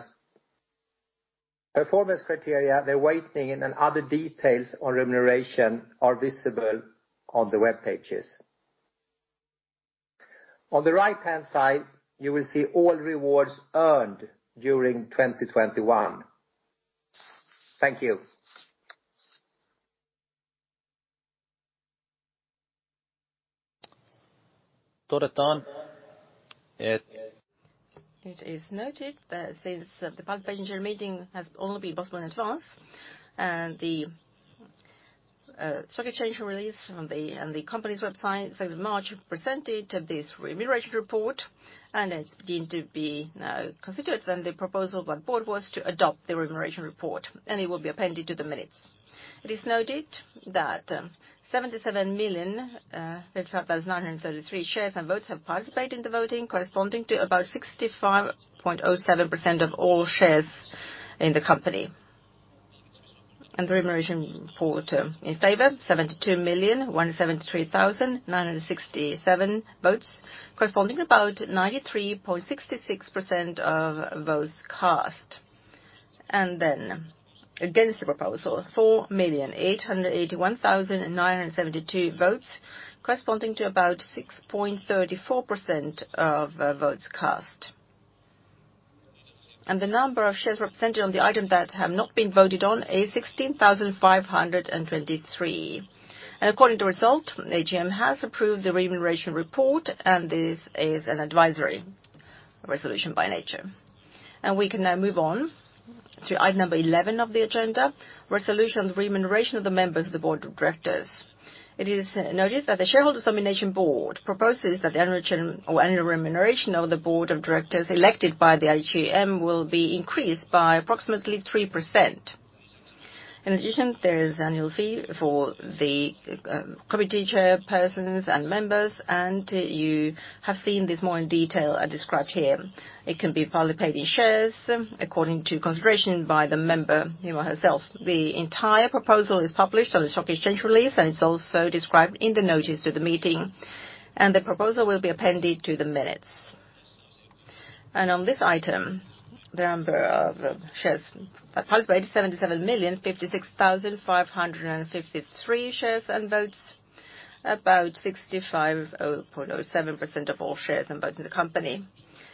Performance criteria, their weighting, and then other details on remuneration are visible on the web pages. On the right-hand side, you will see all rewards earned during 2021. Thank you. It is noted that since the participation meeting has only been possible in advance, and the stock exchange release on the company's website says March presented this Remuneration Report, and it's deemed to be now constituted. The proposal by the board was to adopt the Remuneration Report, and it will be appended to the minutes. It is noted that 77,035,933 shares and votes have participated in the voting corresponding to about 65.07% of all shares in the company. The Remuneration Report in favor, 72,173,967 votes corresponding to about 93.66% of votes cast. Against the proposal, 4,881,972 votes corresponding to about 6.34% of votes cast. The number of shares represented on the item that have not been voted on is 16,523 shares. According to result, AGM has approved the remuneration report, and this is an advisory resolution by nature. We can now move on to item number 11 of the agenda, resolution on the remuneration of the members of the board of directors. It is noted that the shareholders nomination board proposes that the annual remuneration of the board of directors elected by the AGM will be increased by approximately 3%. In addition, there is annual fee for the committee chairpersons and members, and you have seen this more in detail described here. It can be partly paid in shares according to consideration by the member him or herself. The entire proposal is published on the stock exchange release, and it's also described in the notice to the meeting, and the proposal will be appended to the minutes. On this item, the number of shares that participate, 77,056,553 shares and votes. About 65.07% of all shares and votes in the company.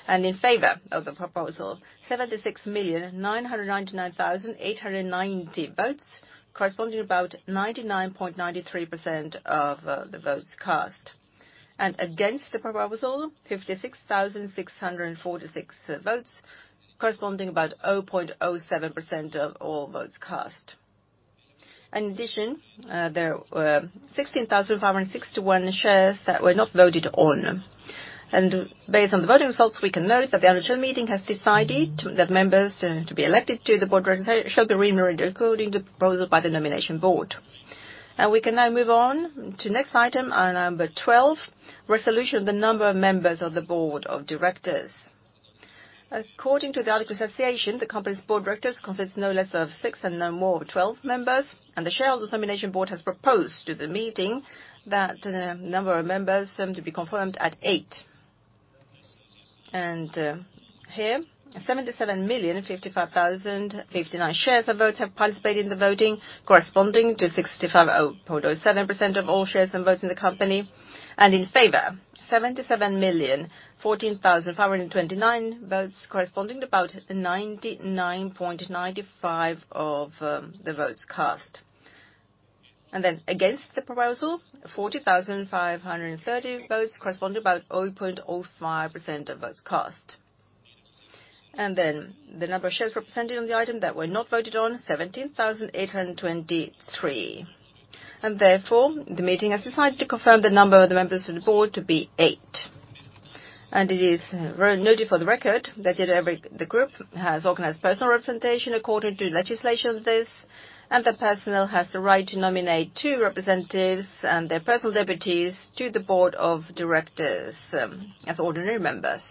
In favor of the proposal, 76,999,890 votes, corresponding to about 99.93% of the votes cast. Against the proposal, 56,646 votes, corresponding to about 0.07% of all votes cast. In addition, there were 16,561 shares that were not voted on. Based on the voting results, we can note that the annual general meeting has decided that members to be elected to the board of directors shall be remunerated according to proposal by the nomination board. Now, we can move on to next item number 12, resolution of the number of members of the board of directors. According to the Articles of Association, the company's board of directors consists no less of six and no more of twelve members. The Shareholders Nomination Board has proposed to the meeting that the number of members seem to be confirmed at eight. 77,055,059 shares of votes have participated in the voting, corresponding to 65.07% of all shares and votes in the company. In favor, 77,014,529 votes, corresponding to about 99.95% of the votes cast. Against the proposal, 40,530 votes, corresponding to about 0.05% of votes cast. The number of shares represented on the item that were not voted on, 17,823 shares. Therefore, the meeting has decided to confirm the number of the members of the board to be eight. It is duly noted for the record that the group has organized personnel representation according to the legislation of this, and the personnel has the right to nominate two representatives and their personal deputies to the board of directors, as ordinary members.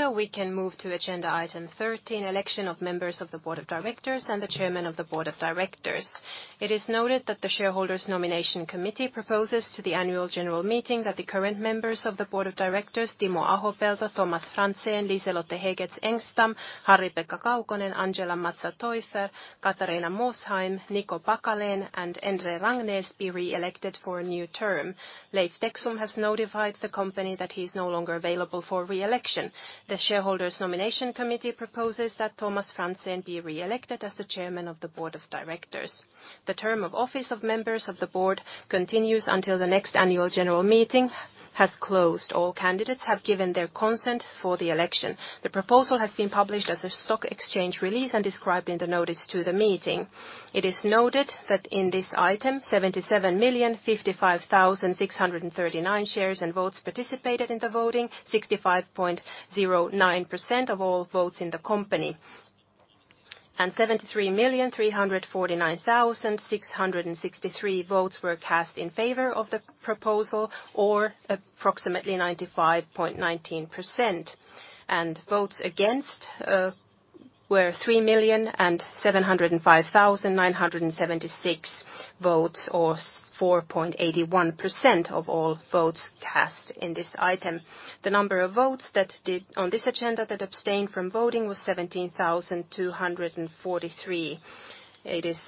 We can move to agenda item number 13, election of members of the board of directors and the chairman of the board of directors. It is noted that the Shareholders' Nomination Committee proposes to the annual general meeting that the current members of the board of directors, Timo Ahopelto, Tomas Franzén, Liselotte Hägertz Engstam, Harri-Pekka Kaukonen, Angela Mazza Teufer, Katharina Mosheim, Niko Pakalén, and Endre Rangnes, be re-elected for a new term. Leif Teksum has notified the company that he's no longer available for re-election. The shareholders nomination committee proposes that Tomas Franzén be re-elected as the Chairman of the Board of Directors. The term of office of members of the board continues until the next annual general meeting has closed. All candidates have given their consent for the election. The proposal has been published as a stock exchange release and described in the notice to the meeting. It is noted that in this item, 77,055,639 shares and votes participated in the voting, 65.09% of all votes in the company. 73,349,663 votes were cast in favor of the proposal, or approximately 95.19%. Votes against were 3,705,976 votes, or 4.81% of all votes cast in this item. The number of votes that abstained from voting on this agenda was 17,243 votes. It is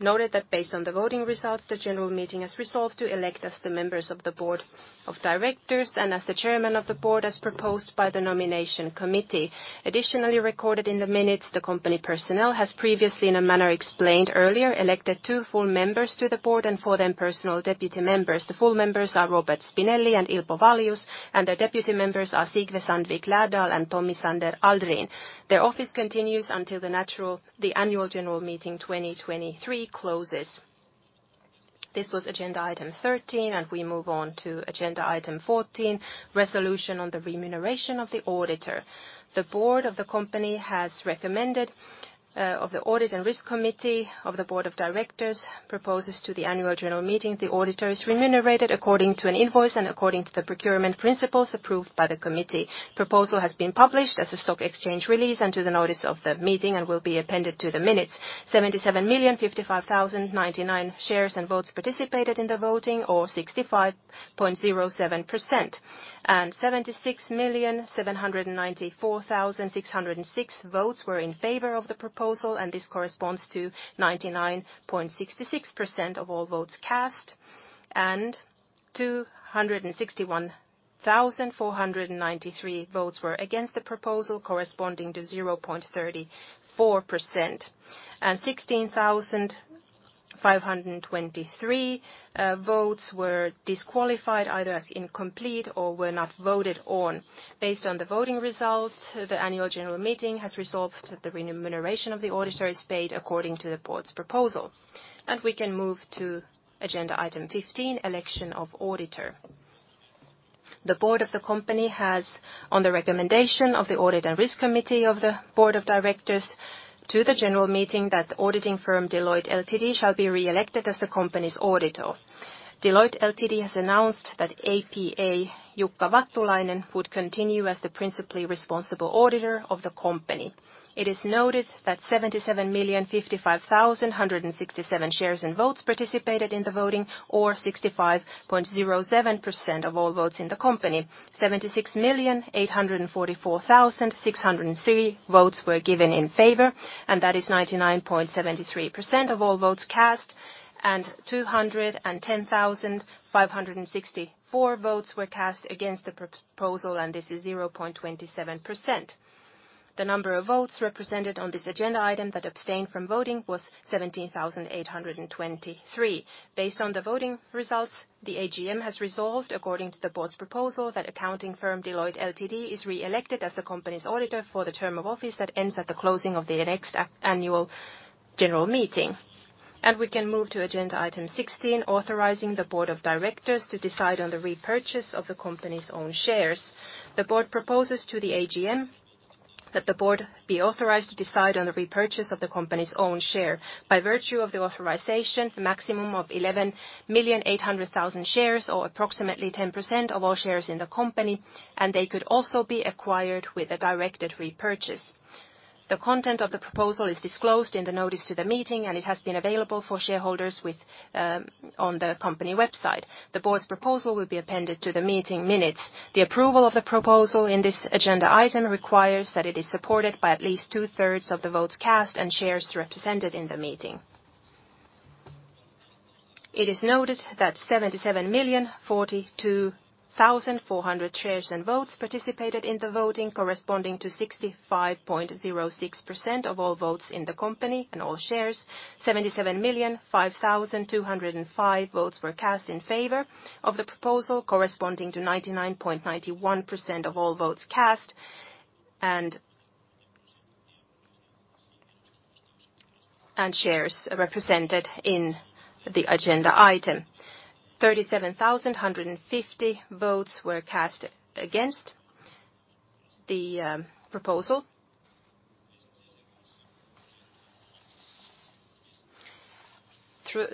noted that based on the voting results, the general meeting has resolved to elect as the members of the board of directors and as the chairman of the board as proposed by the nomination committee. Additionally recorded in the minutes, the company personnel has previously, in a manner explained earlier, elected two full members to the board and four personnel deputy members. The full members are Robert Spinelli and Ilpo Waljus, and the deputy members are Sigve Sandvik Lærdal and Tommy Sander Aldrin. Their office continues until the annual general meeting 2023 closes. This was agenda item number 13, and we move on to agenda item number 14, resolution on the remuneration of the auditor. The Board of the Company has recommended of the Audit and Risk Committee of the Board of Directors proposes to the Annual General Meeting, the auditor is remunerated according to an invoice and according to the procurement principles approved by the committee. Proposal has been published as a stock exchange release and to the notice of the meeting and will be appended to the minutes. 77,055,999 shares and votes participated in the voting, or 65.07%. 76,794,606 votes were in favor of the proposal, and this corresponds to 99.66% of all votes cast. 261,493 votes were against the proposal, corresponding to 0.34%. 16,523 votes were disqualified either as incomplete or were not voted on. Based on the voting results, the annual general meeting has resolved that the remuneration of the auditor is paid according to the board's proposal. We can move to agenda item number 15, election of auditor. The board of the company has, on the recommendation of the audit and risk committee of the board of directors, to the general meeting that auditing firm Deloitte Oy shall be re-elected as the company's auditor. Deloitte Oy has announced that APA Jukka Vattulainen would continue as the principally responsible auditor of the company. It is noted that 77,055,167 shares and votes participated in the voting, or 65.07% of all votes in the company. 76,844,603 votes were given in favor, and that is 99.73% of all votes cast, and 210,564 votes were cast against the proposal, and this is 0.27%. The number of votes represented on this agenda item that abstained from voting was 17,823. Based on the voting results, the AGM has resolved, according to the board's proposal, that accounting firm Deloitte Oy is re-elected as the company's auditor for the term of office that ends at the closing of the next annual general meeting. We can move to agenda item number 16, authorizing the Board of Directors to decide on the repurchase of the company's own shares. The Board proposes to the AGM that the Board be authorized to decide on the repurchase of the company's own share. By virtue of the authorization, the maximum of 11,800,000 shares, or approximately 10% of all shares in the company, and they could also be acquired with a directed repurchase. The content of the proposal is disclosed in the notice to the meeting, and it has been available for shareholders on the company website. The Board's proposal will be appended to the meeting minutes. The approval of the proposal in this agenda item requires that it is supported by at least two-thirds of the votes cast and shares represented in the meeting. It is noted that 77,042,400 shares and votes participated in the voting, corresponding to 65.06% of all votes in the company and all shares. 77,005,205 votes were cast in favor of the proposal, corresponding to 99.91% of all votes cast and shares represented in the agenda item. 37,150 votes were cast against the proposal.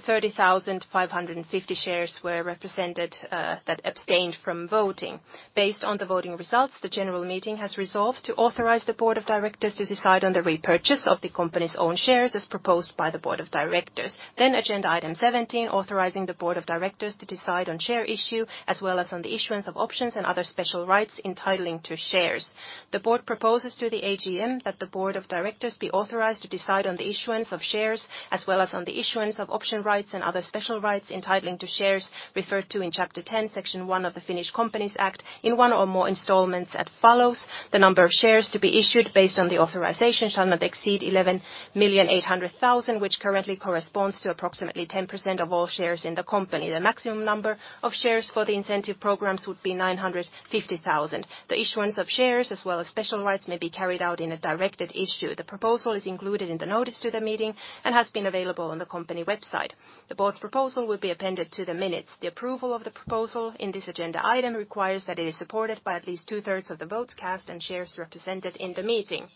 30,550 shares were represented that abstained from voting. Based on the voting results, the general meeting has resolved to authorize the board of directors to decide on the repurchase of the company's own shares as proposed by the board of directors. Agenda item 17, authorizing the Board of Directors to decide on share issue as well as on the issuance of options and other special rights entitling to shares. The Board proposes to the AGM that the Board of Directors be authorized to decide on the issuance of shares, as well as on the issuance of option rights and other special rights entitling to shares referred to in Chapter 10, Section 1 of the Finnish Companies Act in one or more installments as follows. The number of shares to be issued based on the authorization shall not exceed 11,800,000 shares, which currently corresponds to approximately 10% of all shares in the company. The maximum number of shares for the incentive programs would be 950,000 shares. The issuance of shares, as well as special rights, may be carried out in a directed issue. The proposal is included in the notice to the meeting and has been available on the company website. The board's proposal will be appended to the minutes. The approval of the proposal in this agenda item requires that it is supported by at least two-thirds of the votes cast and shares represented in the meeting.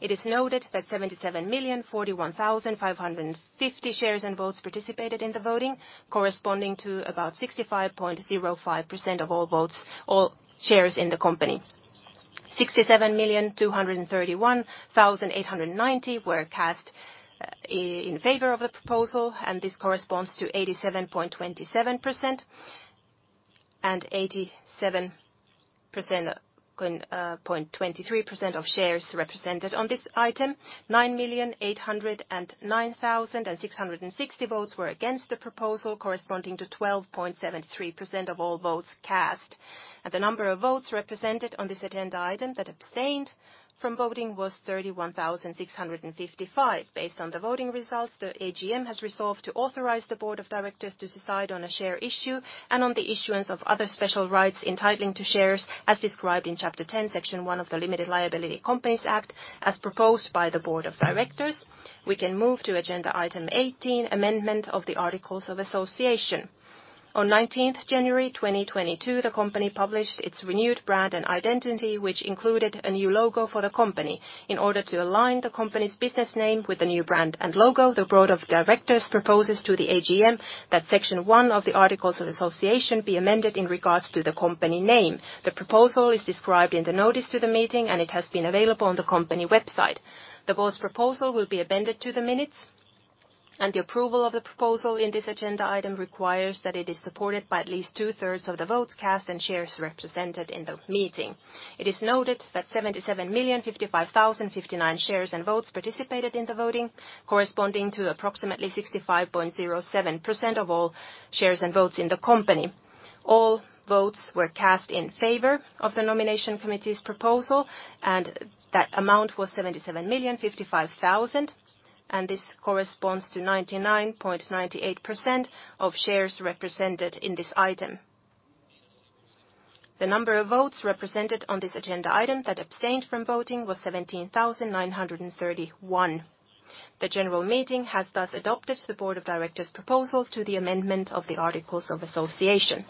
It is noted that 77,041,550 shares and votes participated in the voting, corresponding to about 65.05% of all votes, all shares in the company. 67,231,890 votes were cast in favor of the proposal, and this corresponds to 87.27% and 87.23% of shares represented on this item. 9,809,660 votes were against the proposal, corresponding to 12.73% of all votes cast. The number of votes represented on this agenda item that abstained from voting was 31,655. Based on the voting results, the AGM has resolved to authorize the Board of Directors to decide on a share issue and on the issuance of other special rights entitling to shares as described in Chapter 10, Section 1 of the Limited Liability Companies Act, as proposed by the Board of Directors. We can move to agenda item number 18, amendment of the Articles of Association. On January 19th, 2022, the company published its renewed brand and identity, which included a new logo for the company. In order to align the company's business name with the new brand and logo, the board of directors proposes to the AGM that Section One of the Articles of Association be amended in regards to the company name. The proposal is described in the notice to the meeting, and it has been available on the company website. The board's proposal will be appended to the minutes, and the approval of the proposal in this agenda item requires that it is supported by at least two-thirds of the votes cast and shares represented in the meeting. It is noted that 77,055,059 shares and votes participated in the voting, corresponding to approximately 65.07% of all shares and votes in the company. All votes were cast in favor of the nomination committee's proposal, and that amount was 77,055,000. This corresponds to 99.98% of shares represented in this item. The number of votes represented on this agenda item that abstained from voting was 17,931. The general meeting has thus adopted the board of directors proposal to the amendment of the Articles of Association.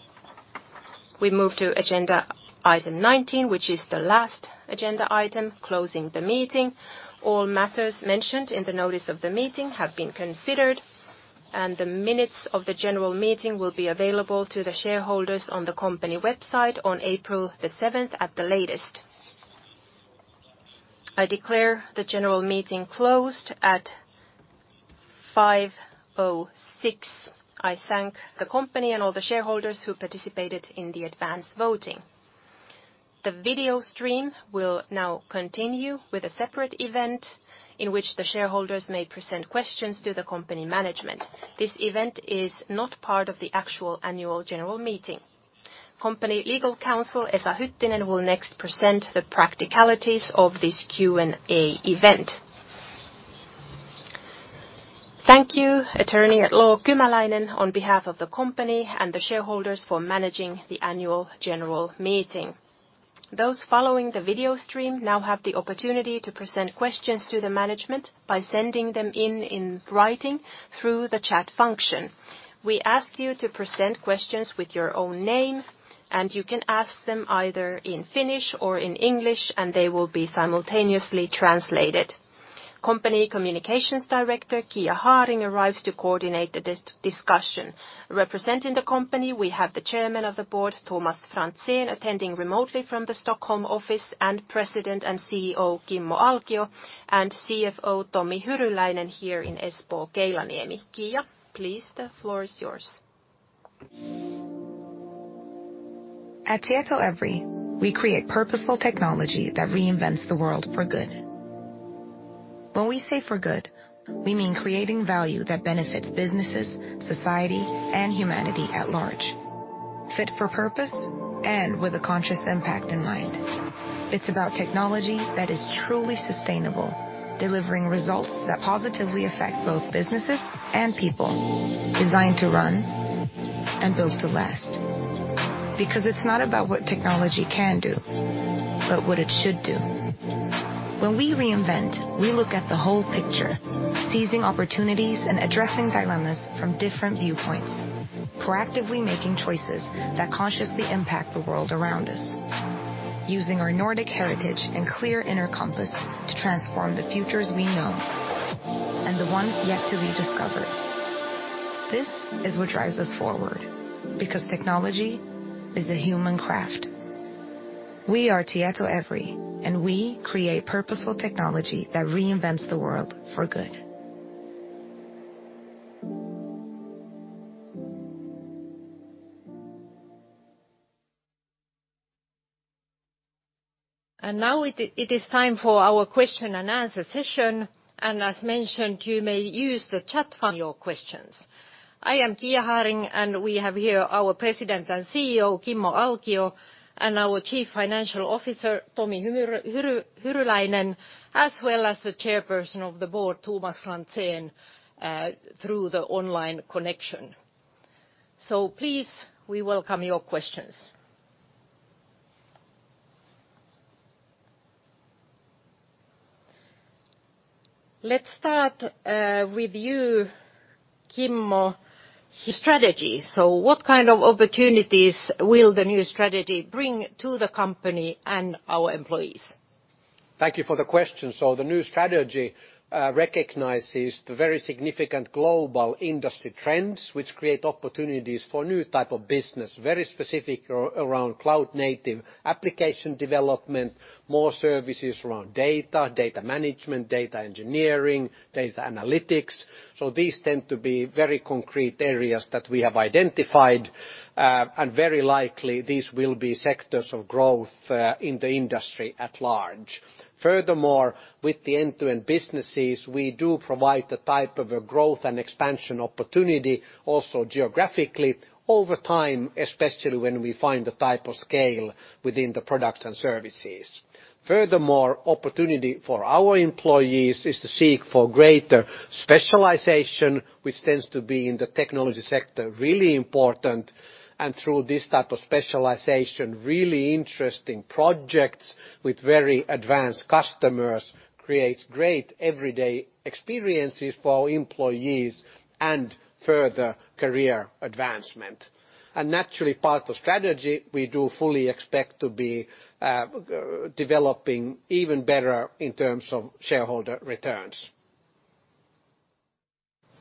We move to agenda item number 19, which is the last agenda item, closing the meeting. All matters mentioned in the notice of the meeting have been considered, and the minutes of the general meeting will be available to the shareholders on the company website on April 7th at the latest. I declare the general meeting closed at 5:06 P.M. I thank the company and all the shareholders who participated in the advanced voting. The video stream will now continue with a separate event in which the shareholders may present questions to the company management. This event is not part of the actual annual general meeting. Company legal counsel, Esa Hyttinen, will next present the practicalities of this Q&A event. Thank you, Attorney at Law Seppo Kymäläinen, on behalf of the company and the shareholders for managing the annual general meeting. Those following the video stream now have the opportunity to present questions to the management by sending them in writing through the chat function. We ask you to present questions with your own name, and you can ask them either in Finnish or in English, and they will be simultaneously translated. Company Communications Director Kia Haring arrives to coordinate the discussion. Representing the company, we have the Chairman of the Board, Tomas Franzén, attending remotely from the Stockholm office, and President and Chief Executive Officer Kimmo Alkio, and Chief Financial Officer Tomi Hyryläinen here in Espoo, Keilaniemi. Kiia, please, the floor is yours. At Tietoevry, we create purposeful technology that reinvents the world for good. When we say for good, we mean creating value that benefits businesses, society, and humanity at large. Fit for purpose and with a conscious impact in mind. It's about technology that is truly sustainable, delivering results that positively affect both businesses and people. Designed to run and built to last. Because it's not about what technology can do, but what it should do. When we reinvent, we look at the whole picture, seizing opportunities and addressing dilemmas from different viewpoints, proactively making choices that consciously impact the world around us. Using our Nordic heritage and clear inner compass to transform the futures we know and the ones yet to be discovered. This is what drives us forward, because technology is a human craft. We are Tietoevry, and we create purposeful technology that reinvents the world for good. Now it is time for our question and answer session. As mentioned, you may use the chat function for your questions. I am Kia Haring, and we have here our President and Chief Executive Officer, Kimmo Alkio, and our Chief Financial Officer, Tomi Hyryläinen, as well as the Chairperson of the Board, Tomas Franzén, through the online connection. Please, we welcome your questions. Let's start with you, Kimmo. The strategy. What kind of opportunities will the new strategy bring to the company and our employees? Thank you for the question. The new strategy recognizes the very significant global industry trends, which create opportunities for new type of business, very specific around cloud native application development, more services around data management, data engineering, data analytics. These tend to be very concrete areas that we have identified, and very likely these will be sectors of growth in the industry at large. Furthermore, with the end-to-end businesses, we do provide the type of a growth and expansion opportunity also geographically over time, especially when we find the type of scale within the products and services. Furthermore, opportunity for our employees is to seek for greater specialization, which tends to be in the technology sector really important, and through this type of specialization, really interesting projects with very advanced customers creates great everyday experiences for our employees and further career advancement. Naturally, part of strategy, we do fully expect to be developing even better in terms of shareholder returns.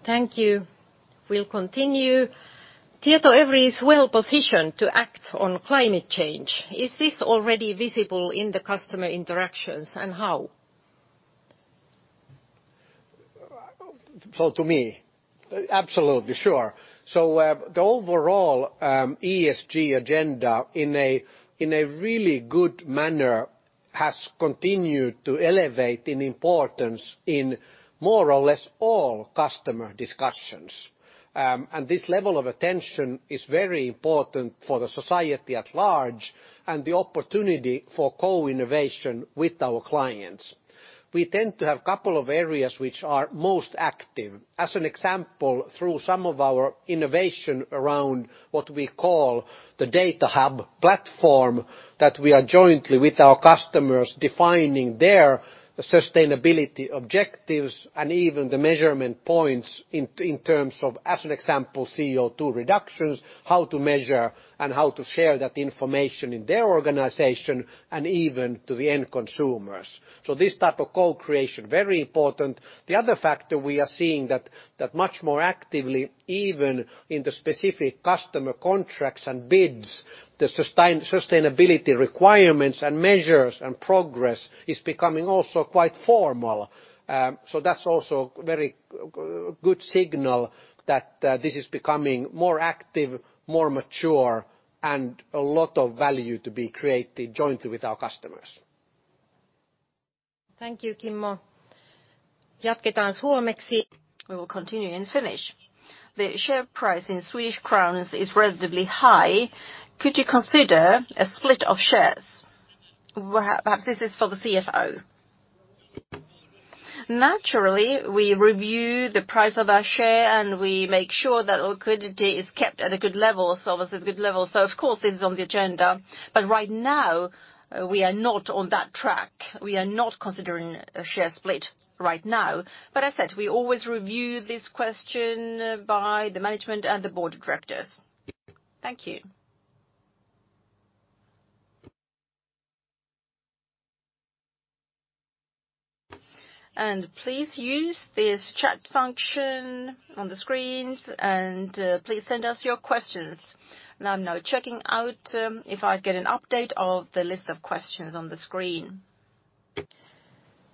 Thank you. We'll continue. Tietoevry is well-positioned to act on climate change. Is this already visible in the customer interactions, and how? To me, absolutely sure. The overall ESG agenda in a really good manner has continued to elevate in importance in more or less all customer discussions. This level of attention is very important for the society at large and the opportunity for co-innovation with our clients. We tend to have a couple of areas which are most active. As an example, through some of our innovation around what we call the data hub platform, that we are jointly with our customers defining their sustainability objectives and even the measurement points in terms of, as an example, CO₂ reductions, how to measure and how to share that information in their organization and even to the end consumers. This type of co-creation, very important. The other factor we are seeing that much more actively, even in the specific customer contracts and bids, the sustainability requirements and measures and progress is becoming also quite formal. That's also very good signal that this is becoming more active, more mature, and a lot of value to be created jointly with our customers. Thank you, Kimmo. We will continue in Finnish. The share price in Swedish crowns is relatively high. Could you consider a split of shares? Well, perhaps this is for the Chief Financial Officer. Naturally, we review the price of our share and we make sure that liquidity is kept at a good level. This is good level. Of course this is on the agenda. Right now, we are not on that track. We are not considering a share split right now. I said, we always review this question by the management and the board of directors. Thank you. Please use this chat function on the screens, and please send us your questions. I'm now checking out if I get an update of the list of questions on the screen.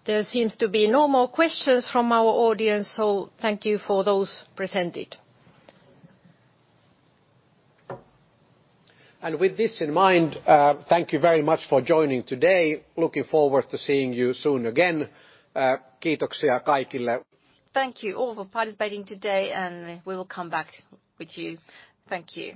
There seems to be no more questions from our audience, so thank you for those presented. With this in mind, thank you very much for joining today. Looking forward to seeing you soon again. Thank you all for participating today, and we will come back with you. Thank you.